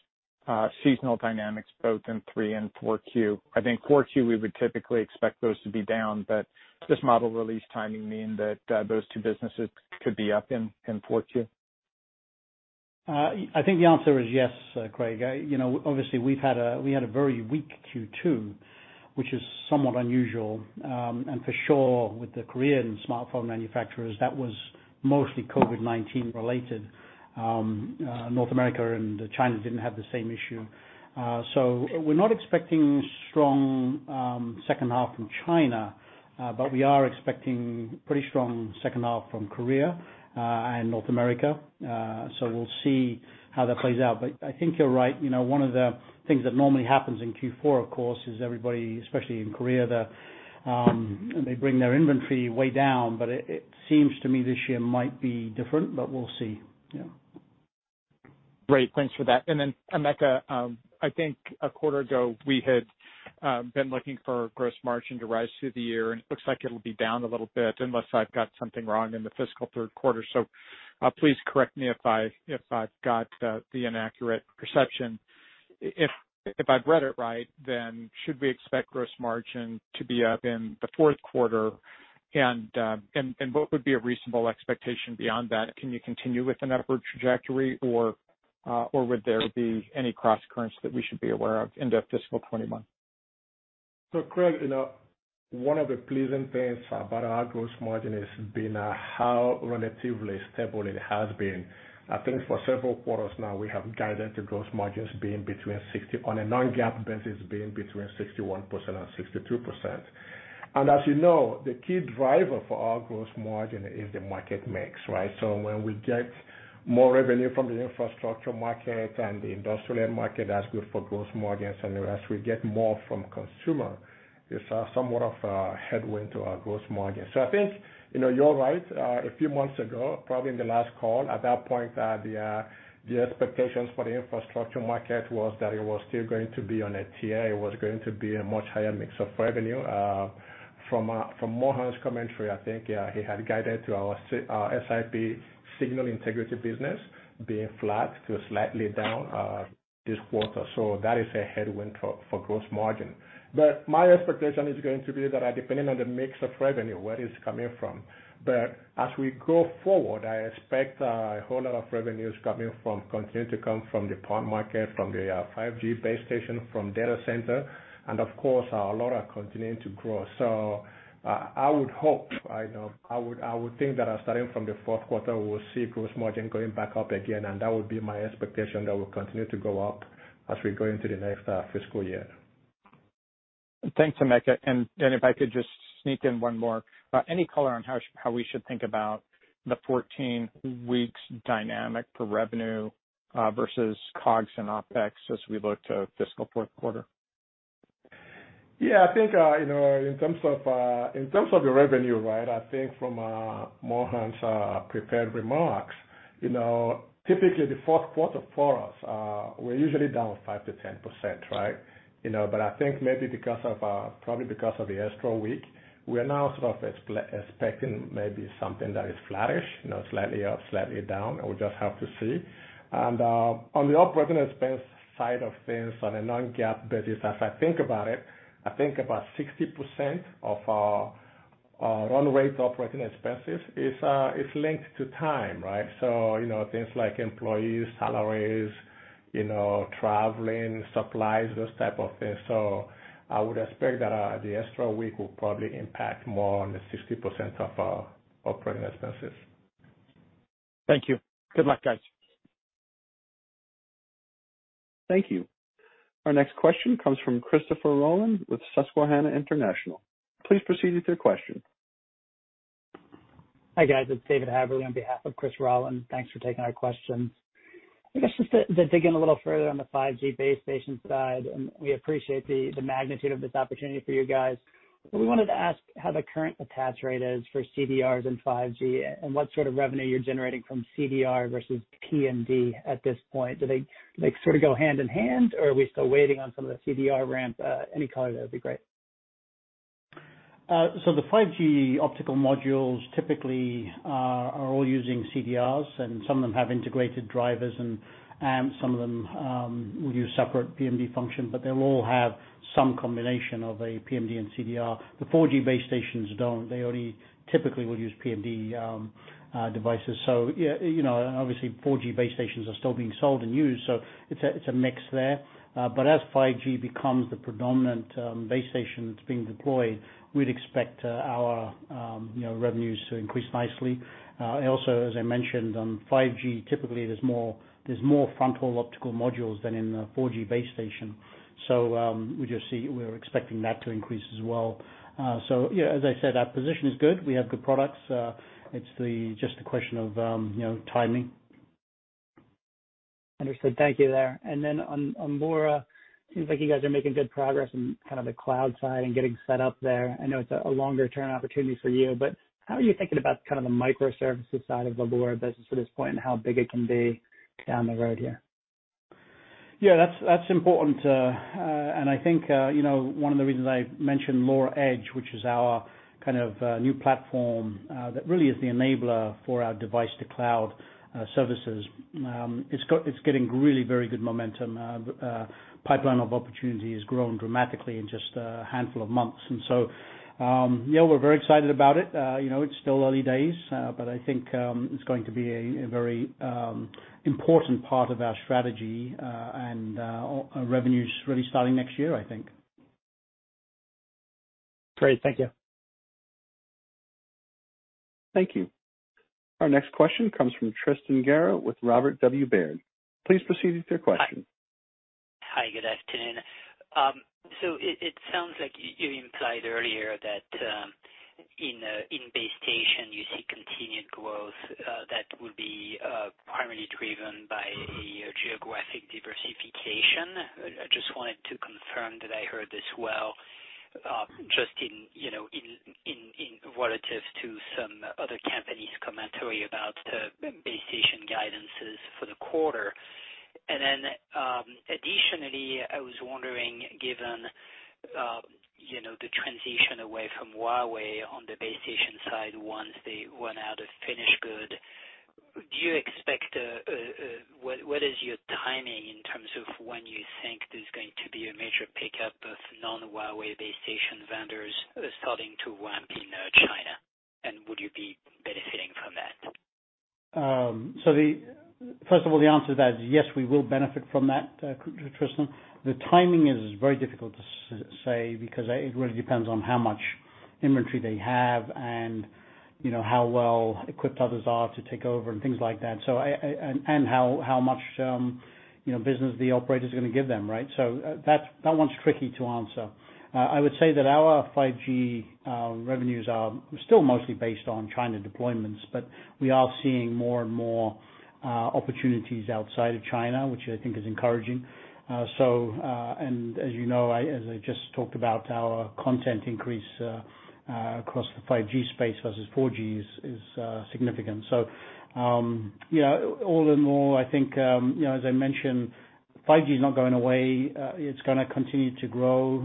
seasonal dynamics, both in 3Q and 4Q? I think 4Q, we would typically expect those to be down, but does this model release timing mean that those two businesses could be up in 4Q? I think the answer is yes, Craig. Obviously, we had a very weak Q2, which is somewhat unusual. For sure with the Korean smartphone manufacturers, that was mostly COVID-19 related. North America and China didn't have the same issue. We're not expecting strong second half from China, but we are expecting pretty strong second half from Korea and North America. We'll see how that plays out. I think you're right. One of the things that normally happens in Q4, of course, is everybody, especially in Korea, they bring their inventory way down, but it seems to me this year might be different, but we'll see. Yeah. Great. Thanks for that. Emeka, I think a quarter ago, we had been looking for gross margin to rise through the year, and it looks like it'll be down a little bit unless I've got something wrong in the fiscal third quarter. Please correct me if I've got the inaccurate perception. If I've read it right, then should we expect gross margin to be up in the fourth quarter, and what would be a reasonable expectation beyond that? Can you continue with an upward trajectory or would there be any cross currents that we should be aware of into fiscal 2021? Craig, one of the pleasing things about our gross margin has been how relatively stable it has been. I think for several quarters now, we have guided the gross margins, on a non-GAAP basis, being between 61% and 62%. As you know, the key driver for our gross margin is the market mix, right? When we get more revenue from the infrastructure market and the industrial market, that's good for gross margins. As we get more from consumer, it's somewhat of a headwind to our gross margin. I think, you're right. A few months ago, probably in the last call, at that point, the expectations for the infrastructure market was that it was still going to be on a tear. It was going to be a much higher mix of revenue. From Mohan's commentary, I think, he had guided to our SIP signal integrity business being flat to slightly down this quarter. That is a headwind for gross margin. My expectation is going to be that depending on the mix of revenue, where it's coming from. As we go forward, I expect a whole lot of revenues continue to come from the PON market, from the 5G base station, from data center, and of course, LoRa continuing to grow. I would hope, I would think that starting from the fourth quarter, we'll see gross margin going back up again, and that would be my expectation that will continue to go up as we go into the next fiscal year. Thanks, Emeka. If I could just sneak in one more. Any color on how we should think about the 14 weeks dynamic for revenue versus COGS and OpEx as we look to fiscal fourth quarter? Yeah, I think in terms of the revenue, I think from Mohan's prepared remarks, typically the fourth quarter for us, we're usually down 5%-10%. I think maybe probably because of the extra week, we're now sort of expecting maybe something that is flattish, slightly up, slightly down. We'll just have to see. On the operating expense side of things, on a non-GAAP basis, as I think about it, I think about 60% of our run rate operating expenses is linked to time. Things like employees, salaries, traveling, supplies, those type of things. I would expect that the extra week will probably impact more on the 60% of our operating expenses. Thank you. Good luck, guys. Thank you. Our next question comes from Christopher Rolland with Susquehanna International. Please proceed with your question. Hi, guys. It's David Haberle on behalf of Chris Rolland. Thanks for taking our question. I guess just to dig in a little further on the 5G base station side, and we appreciate the magnitude of this opportunity for you guys, but we wanted to ask how the current attach rate is for CDRs and 5G, and what sort of revenue you're generating from CDR versus PMD at this point. Do they sort of go hand in hand, or are we still waiting on some of the CDR ramp? Any color there would be great. The 5G optical modules typically are all using CDRs, and some of them have integrated drivers, and some of them will use separate PMD function, but they'll all have some combination of a PMD and CDR. The 4G base stations don't. They only typically will use PMD devices. Obviously 4G base stations are still being sold and used, so it's a mix there. As 5G becomes the predominant base station that's being deployed, we'd expect our revenues to increase nicely. Also, as I mentioned, on 5G, typically there's more frontal optical modules than in the 4G base station. We're expecting that to increase as well. Yeah, as I said, our position is good. We have good products. It's just a question of timing. Understood. Thank you there. On LoRa, seems like you guys are making good progress on kind of the cloud side and getting set up there. I know it's a longer term opportunity for you, but how are you thinking about kind of the microservices side of the LoRa business at this point and how big it can be down the road here? Yeah, that's important. I think one of the reasons I mentioned LoRa Edge, which is our kind of new platform that really is the enabler for our device to cloud services. It's getting really very good momentum. Pipeline of opportunity has grown dramatically in just a handful of months. We're very excited about it. It's still early days, but I think it's going to be a very important part of our strategy, and revenues really starting next year, I think. Great. Thank you. Thank you. Our next question comes from Tristan Gerra with Robert W. Baird. Please proceed with your question. Hi. Good afternoon. It sounds like you implied earlier that in base station, you see continued growth that will be primarily driven by a geographic diversification. I just wanted to confirm that I heard this well. Just in relative to some other companies' commentary about base station guidances for the quarter. Additionally, I was wondering, given the transition away from Huawei on the base station side once they run out of finished good, what is your timing in terms of when you think there's going to be a major pickup of non-Huawei base station vendors starting to ramp in China, and would you be benefiting from that? First of all, the answer to that is yes, we will benefit from that, Tristan. The timing is very difficult to say because it really depends on how much inventory they have and how well equipped others are to take over and things like that. How much business the operator's going to give them. That one's tricky to answer. I would say that our 5G revenues are still mostly based on China deployments, but we are seeing more and more opportunities outside of China, which I think is encouraging. As you know, as I just talked about, our content increase across the 5G space versus 4G is significant. All in all, I think as I mentioned, 5G is not going away. It's going to continue to grow.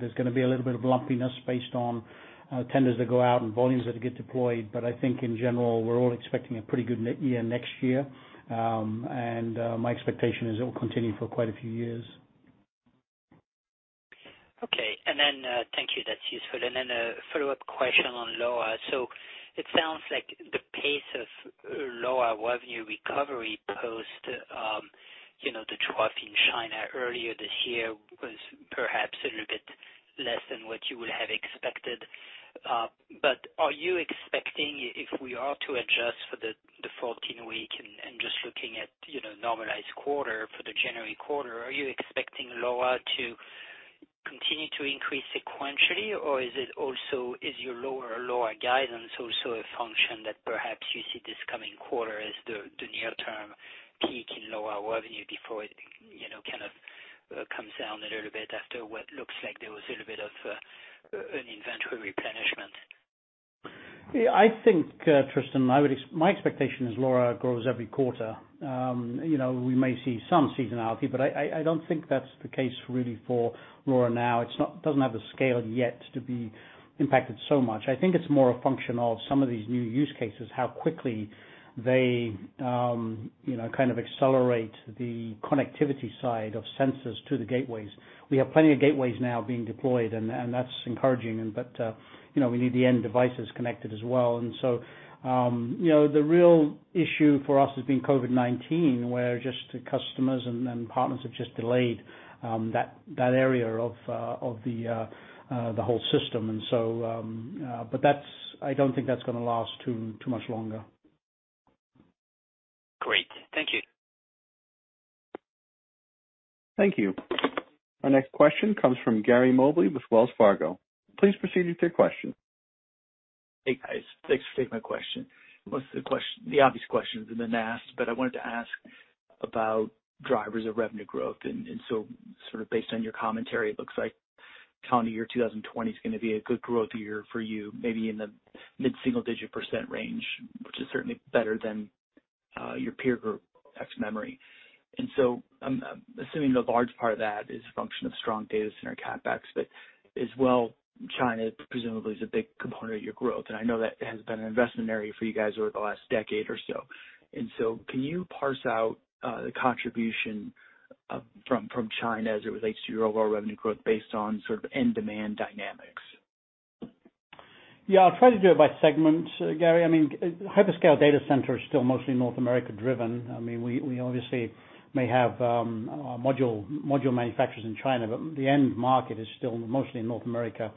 There's going to be a little bit of lumpiness based on tenders that go out and volumes that get deployed. I think in general, we're all expecting a pretty good year next year. My expectation is it will continue for quite a few years. Okay. Thank you, that's useful. A follow-up question on LoRa. It sounds like the pace of LoRa revenue recovery post the trough in China earlier this year was perhaps a little bit less than what you would have expected. Are you expecting, if we are to adjust for the 14-week and just looking at normalized quarter for the January quarter, are you expecting LoRa to continue to increase sequentially, or is your lower LoRa guidance also a function that perhaps you see this coming quarter as the near term peak in LoRa revenue before it kind of comes down a little bit after what looks like there was a little bit of an inventory replenishment? I think, Tristan, my expectation is LoRa grows every quarter. We may see some seasonality, but I don't think that's the case really for LoRa now. It doesn't have the scale yet to be impacted so much. I think it's more a function of some of these new use cases, how quickly they kind of accelerate the connectivity side of sensors to the gateways. We have plenty of gateways now being deployed, and that's encouraging. We need the end devices connected as well. The real issue for us has been COVID-19, where just the customers and partners have just delayed that area of the whole system. I don't think that's going to last too much longer. Great. Thank you. Thank you. Our next question comes from Gary Mobley with Wells Fargo. Please proceed with your question. Hey, guys. Thanks for taking my question. Most of the obvious questions have been asked. I wanted to ask about drivers of revenue growth. Based on your commentary, it looks like calendar year 2020 is going to be a good growth year for you, maybe in the mid-single digit percent range, which is certainly better than your peer group ex-memory. I'm assuming a large part of that is a function of strong data center CapEx. As well, China presumably is a big component of your growth, and I know that has been an investment area for you guys over the last decade or so. Can you parse out the contribution from China as it relates to your overall revenue growth based on end demand dynamics? Yeah, I'll try to do it by segment, Gary. I mean, hyperscale data center is still mostly North America driven. We obviously may have module manufacturers in China, but the end market is still mostly in North America,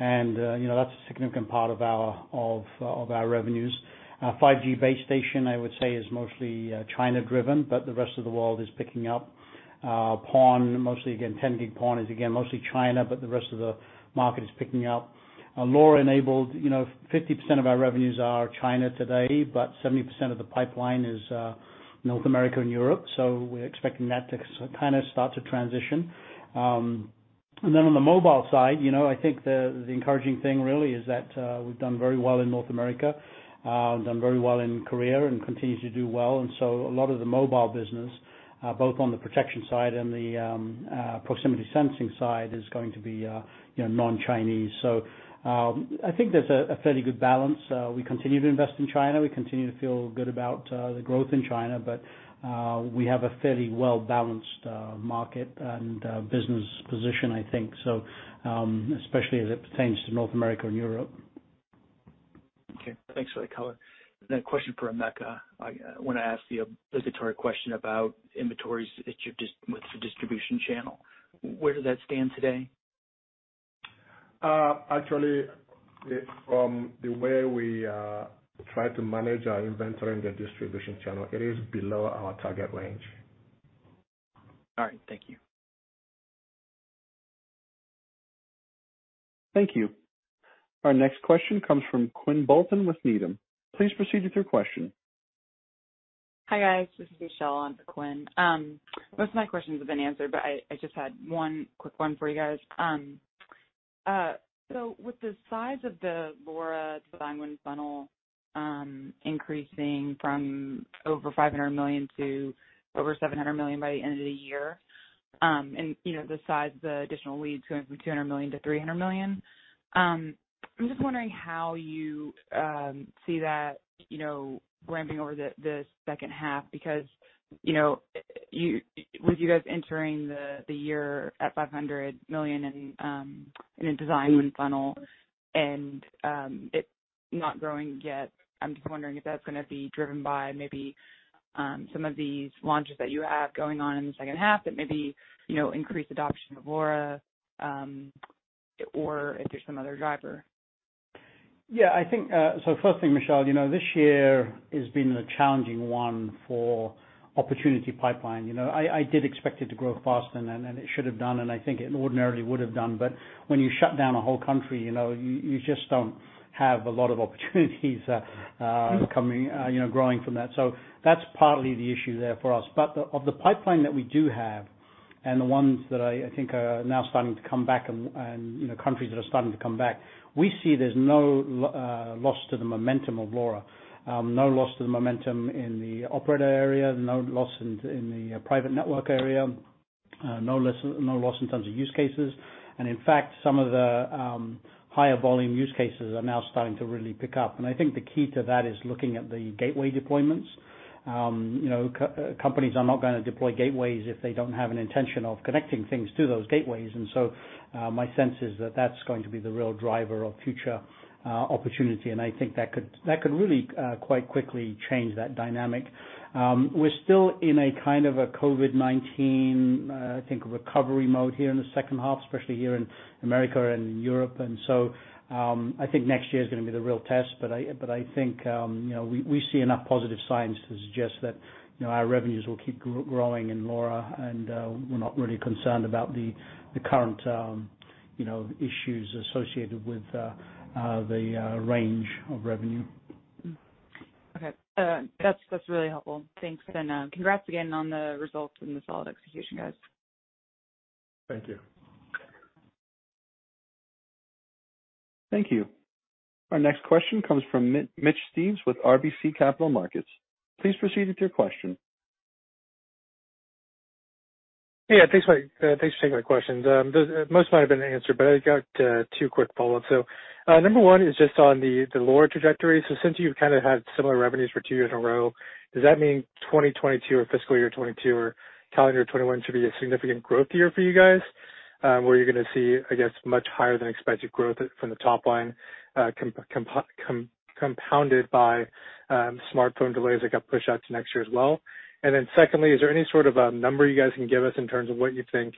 and that's a significant part of our revenues. 5G base station, I would say, is mostly China driven, but the rest of the world is picking up. PON, mostly again, 10 gig-PON is again mostly China, but the rest of the market is picking up. LoRa enabled, 50% of our revenues are China today, but 70% of the pipeline is North America and Europe. We're expecting that to kind of start to transition. On the mobile side, I think the encouraging thing really is that we've done very well in North America, done very well in Korea and continue to do well. A lot of the mobile business, both on the protection side and the proximity sensing side, is going to be non-Chinese. I think there's a fairly good balance. We continue to invest in China. We continue to feel good about the growth in China, but we have a fairly well-balanced market and business position, I think, especially as it pertains to North America and Europe. Okay. Thanks for the color. A question for Emeka. I want to ask the obligatory question about inventories with the distribution channel. Where does that stand today? From the way we try to manage our inventory in the distribution channel, it is below our target range. All right. Thank you. Thank you. Our next question comes from Quinn Bolton with Needham. Please proceed with your question. Hi, guys. This is Michelle in for Quinn. Most of my questions have been answered, but I just had one quick one for you guys. With the size of the LoRa design win funnel increasing from over $500 million to over $700 million by the end of the year, and the size of the additional leads going from $200 million to $300 million, I'm just wondering how you see that ramping over the second half because, with you guys entering the year at $500 million in a design win funnel and it not growing yet, I'm just wondering if that's gonna be driven by maybe some of these launches that you have going on in the second half that maybe increase adoption of LoRa, or if there's some other driver. Yeah. First thing, Michelle, this year has been a challenging one for opportunity pipeline. I did expect it to grow faster than it should have done, and I think it ordinarily would have done. When you shut down a whole country, you just don't have a lot of opportunities growing from that. That's partly the issue there for us. Of the pipeline that we do have and the ones that I think are now starting to come back and countries that are starting to come back, we see there's no loss to the momentum of LoRa. No loss to the momentum in the operator area, no loss in the private network area, no loss in terms of use cases. In fact, some of the higher volume use cases are now starting to really pick up. I think the key to that is looking at the gateway deployments. Companies are not gonna deploy gateways if they don't have an intention of connecting things to those gateways. My sense is that that's going to be the real driver of future opportunity, and I think that could really quite quickly change that dynamic. We're still in a kind of a COVID-19, I think, recovery mode here in the second half, especially here in America and Europe. I think next year is gonna be the real test. I think we see enough positive signs to suggest that our revenues will keep growing in LoRa, and we're not really concerned about the current issues associated with the range of revenue. Okay. That's really helpful. Thanks. Congrats again on the results and the solid execution, guys. Thank you. Thank you. Our next question comes from Mitch Steves with RBC Capital Markets. Please proceed with your question. Yeah, thanks for taking my questions. Most might have been answered, I got two quick follow-ups. Number one is just on the LoRa trajectory. Since you've kind of had similar revenues for two years in a row, does that mean 2022 or fiscal year 2022 or calendar 2021 should be a significant growth year for you guys? Where you're gonna see, I guess, much higher than expected growth from the top line, compounded by smartphone delays that got pushed out to next year as well. Secondly, is there any sort of a number you guys can give us in terms of what you think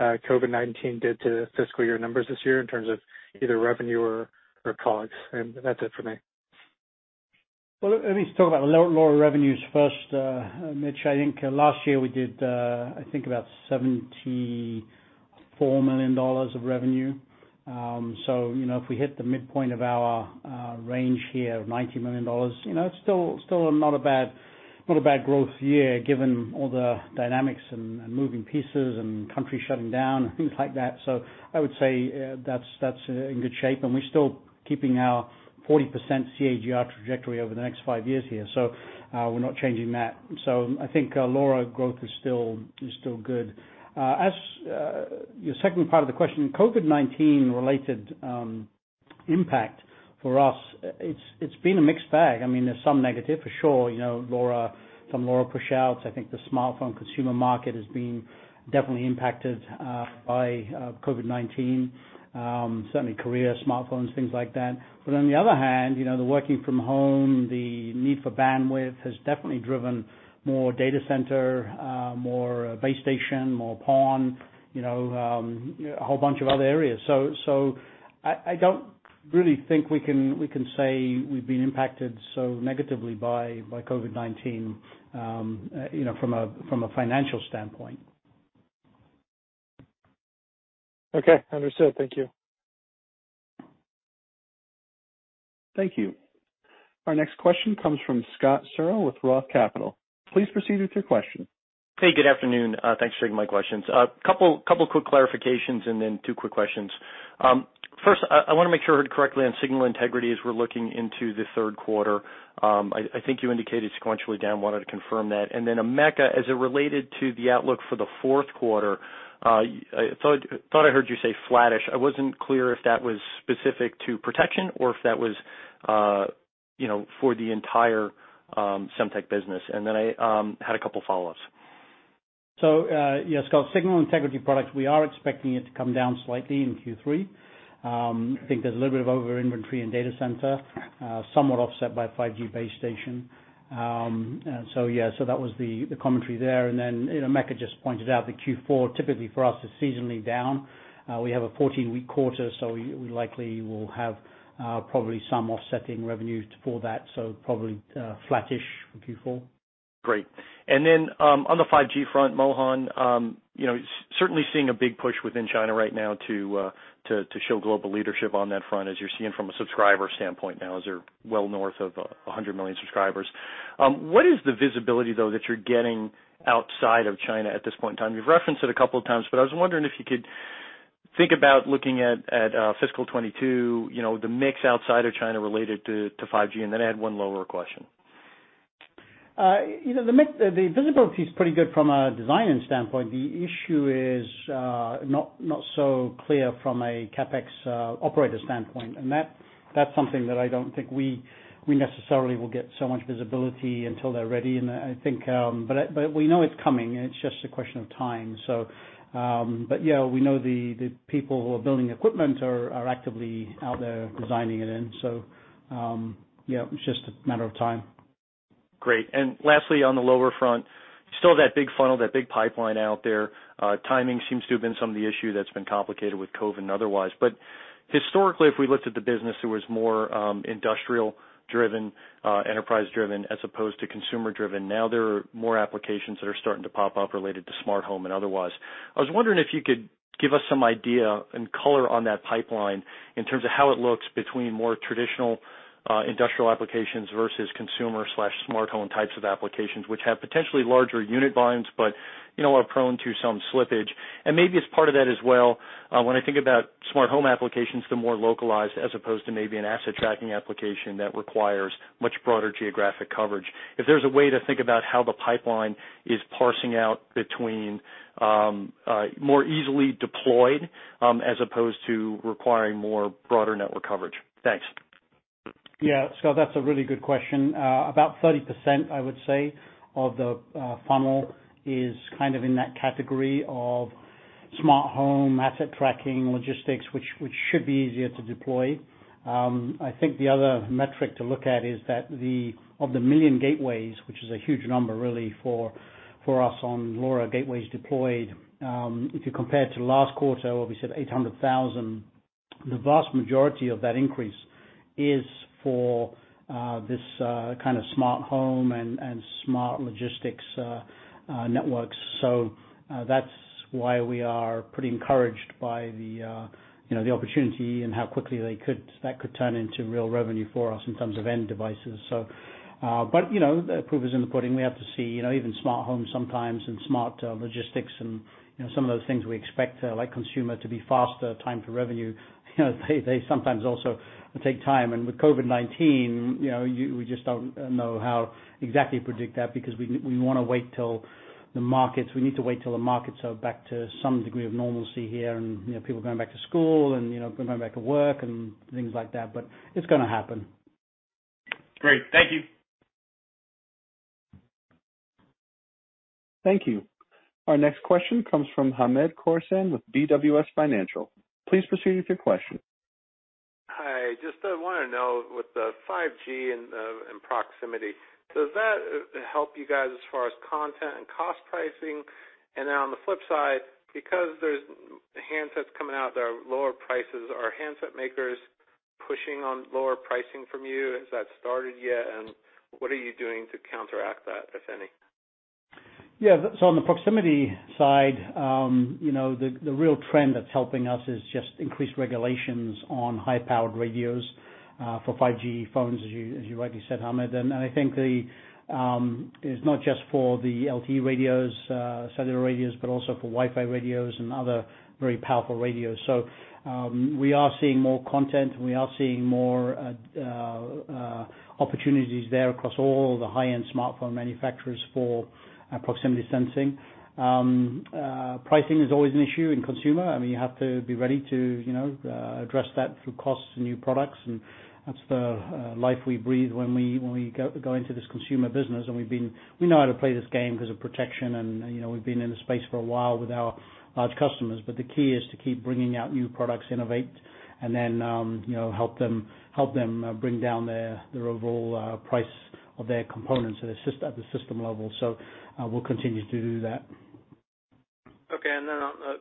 COVID-19 did to fiscal year numbers this year in terms of either revenue or COGS? That's it for me. Well, let me talk about LoRa revenues first, Mitch. I think last year we did, I think about $74 million of revenue. If we hit the midpoint of our range here of $90 million, it's still not a bad growth year given all the dynamics and moving pieces and countries shutting down and things like that. I would say that's in good shape, and we're still keeping our 40% CAGR trajectory over the next five years here. We're not changing that. I think LoRa growth is still good. As your second part of the question, COVID-19 related impact for us, it's been a mixed bag. There's some negative for sure, some LoRa push-outs. I think the smartphone consumer market has been definitely impacted by COVID-19. Certainly Korea, smartphones, things like that. On the other hand, the working from home, the need for bandwidth has definitely driven more data center, more base station, more PON, a whole bunch of other areas. I don't really think we can say we've been impacted so negatively by COVID-19, from a financial standpoint. Okay. Understood. Thank you. Thank you. Our next question comes from Scott Searle with Roth Capital. Please proceed with your question. Hey, good afternoon. Thanks for taking my questions. Couple quick clarifications and then two quick questions. First, I wanna make sure I heard correctly on signal integrity as we're looking into the third quarter. I think you indicated sequentially down, wanted to confirm that. Emeka, as it related to the outlook for the fourth quarter, I thought I heard you say flattish. I wasn't clear if that was specific to protection or if that was for the entire Semtech business. I had a couple follow-ups. Yeah, Scott, signal integrity products, we are expecting it to come down slightly in Q3. I think there's a little bit of over inventory in data center, somewhat offset by 5G base station. yeah, so that was the commentary there. Emeka just pointed out that Q4 typically for us is seasonally down. We have a 14-week quarter, so we likely will have probably some offsetting revenues for that. probably flattish for Q4. Great. On the 5G front, Mohan, certainly seeing a big push within China right now to show global leadership on that front, as you're seeing from a subscriber standpoint now, as they're well north of 100 million subscribers. What is the visibility, though, that you're getting outside of China at this point in time? You've referenced it a couple of times, but I was wondering if you could think about looking at fiscal 2022, the mix outside of China related to 5G. I had one LoRa question. The visibility is pretty good from a design-in standpoint. The issue is not so clear from a CapEx operator standpoint, and that's something that I don't think we necessarily will get so much visibility until they're ready. We know it's coming, and it's just a question of time. Yeah, we know the people who are building equipment are actively out there designing it in. Yeah, it's just a matter of time. Great. lastly, on the LoRa front, still that big funnel, that big pipeline out there. Timing seems to have been some of the issue that's been complicated with COVID and otherwise. historically, if we looked at the business, it was more industrial-driven, enterprise-driven, as opposed to consumer-driven. Now there are more applications that are starting to pop up related to smart home and otherwise. I was wondering if you could give us some idea and color on that pipeline in terms of how it looks between more traditional industrial applications versus consumer/smart home types of applications, which have potentially larger unit volumes, but are prone to some slippage. Maybe as part of that as well, when I think about smart home applications, they're more localized as opposed to maybe an asset tracking application that requires much broader geographic coverage. If there's a way to think about how the pipeline is parsing out between more easily deployed, as opposed to requiring more broader network coverage. Thanks. Yeah, Scott, that's a really good question. About 30%, I would say, of the funnel is kind of in that category of smart home, asset tracking, logistics, which should be easier to deploy. I think the other metric to look at is that of the million gateways, which is a huge number, really, for us on LoRa gateways deployed. If you compare to last quarter where we said 800,000, the vast majority of that increase is for this kind of smart home and smart logistics networks. That's why we are pretty encouraged by the opportunity and how quickly that could turn into real revenue for us in terms of end devices. the proof is in the pudding, we have to see, even smart homes sometimes, and smart logistics and some of those things we expect, like consumer, to be faster time to revenue. They sometimes also take time. With COVID-19, we just don't know how exactly to predict that because we need to wait till the markets are back to some degree of normalcy here and people going back to school and going back to work and things like that, but it's gonna happen. Great. Thank you. Thank you. Our next question comes from Hamed Khorsand with BWS Financial. Please proceed with your question. Hi, just wanted to know, with the 5G and proximity, does that help you guys as far as content and cost pricing? On the flip side, because there's handsets coming out that are lower prices, are handset makers pushing on lower pricing from you? Has that started yet? What are you doing to counteract that, if any? Yeah. On the proximity side, the real trend that's helping us is just increased regulations on high-powered radios for 5G phones, as you rightly said, Hamed. I think it's not just for the LTE radios, cellular radios, but also for Wi-Fi radios and other very powerful radios. We are seeing more content, and we are seeing more opportunities there across all the high-end smartphone manufacturers for proximity sensing. Pricing is always an issue in consumer. You have to be ready to address that through costs and new products, and that's the life we breathe when we go into this consumer business. We know how to play this game because of protection and we've been in the space for a while with our large customers. The key is to keep bringing out new products, innovate, and then help them bring down their overall price of their components at the system level. We'll continue to do that. Okay,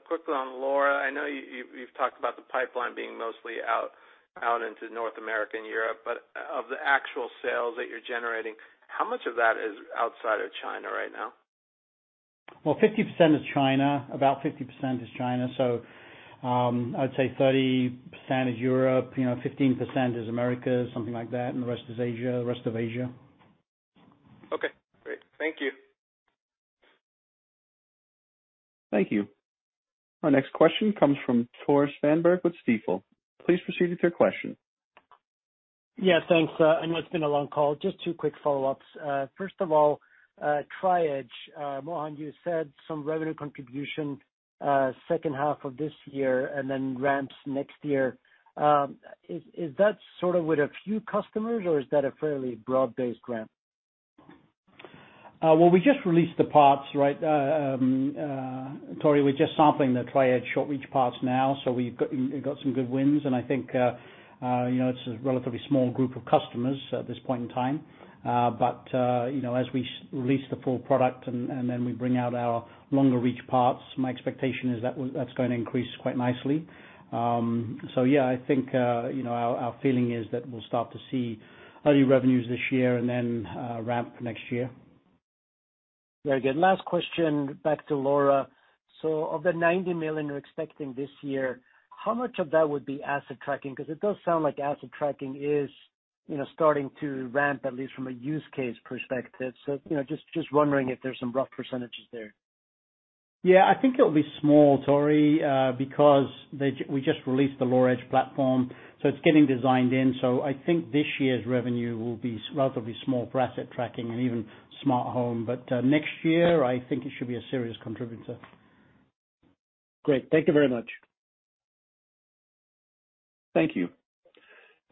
quickly on LoRa. I know you've talked about the pipeline being mostly out into North America and Europe, but of the actual sales that you're generating, how much of that is outside of China right now? Well, 50% is China, about 50% is China. I'd say 30% is Europe, 15% is Americas, something like that, and the rest is Asia. Okay, great. Thank you. Thank you. Our next question comes from Tore Svanberg with Stifel. Please proceed with your question. Yeah, thanks. I know it's been a long call. Just two quick follow-ups. First of all, Tri-Edge. Mohan, you said some revenue contribution second half of this year, and then ramps next year. Is that sort of with a few customers or is that a fairly broad-based ramp? Well, we just released the parts, right Tore? We're just sampling the Tri-Edge short reach parts now, so we've got some good wins, and I think it's a relatively small group of customers at this point in time. As we release the full product and then we bring out our longer reach parts, my expectation is that's going to increase quite nicely. Yeah, I think our feeling is that we'll start to see early revenues this year and then ramp next year. Very good. Last question, back to LoRa. Of the 90 million you're expecting this year, how much of that would be asset tracking? Because it does sound like asset tracking is starting to ramp, at least from a use case perspective. Just wondering if there's some rough percentages there. Yeah, I think it'll be small, Tore, because we just released the LoRa Edge platform, so it's getting designed in. I think this year's revenue will be relatively small for asset tracking and even smart home. Next year, I think it should be a serious contributor. Great. Thank you very much. Thank you.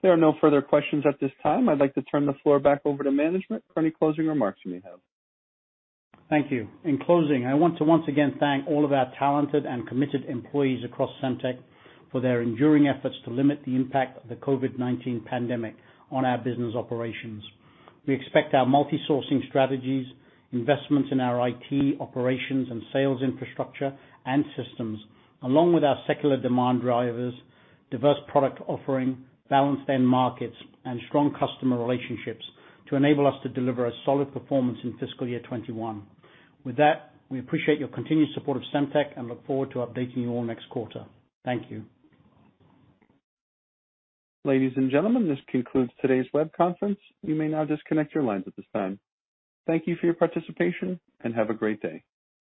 There are no further questions at this time. I'd like to turn the floor back over to management for any closing remarks you may have. Thank you. In closing, I want to once again thank all of our talented and committed employees across Semtech for their enduring efforts to limit the impact of the COVID-19 pandemic on our business operations. We expect our multi-sourcing strategies, investments in our IT operations and sales infrastructure and systems, along with our secular demand drivers, diverse product offering, balanced end markets, and strong customer relationships to enable us to deliver a solid performance in fiscal year 2021. With that, we appreciate your continued support of Semtech and look forward to updating you all next quarter. Thank you. Ladies and gentlemen, this concludes today's web conference. You may now disconnect your lines at this time. Thank you for your participation, and have a great day.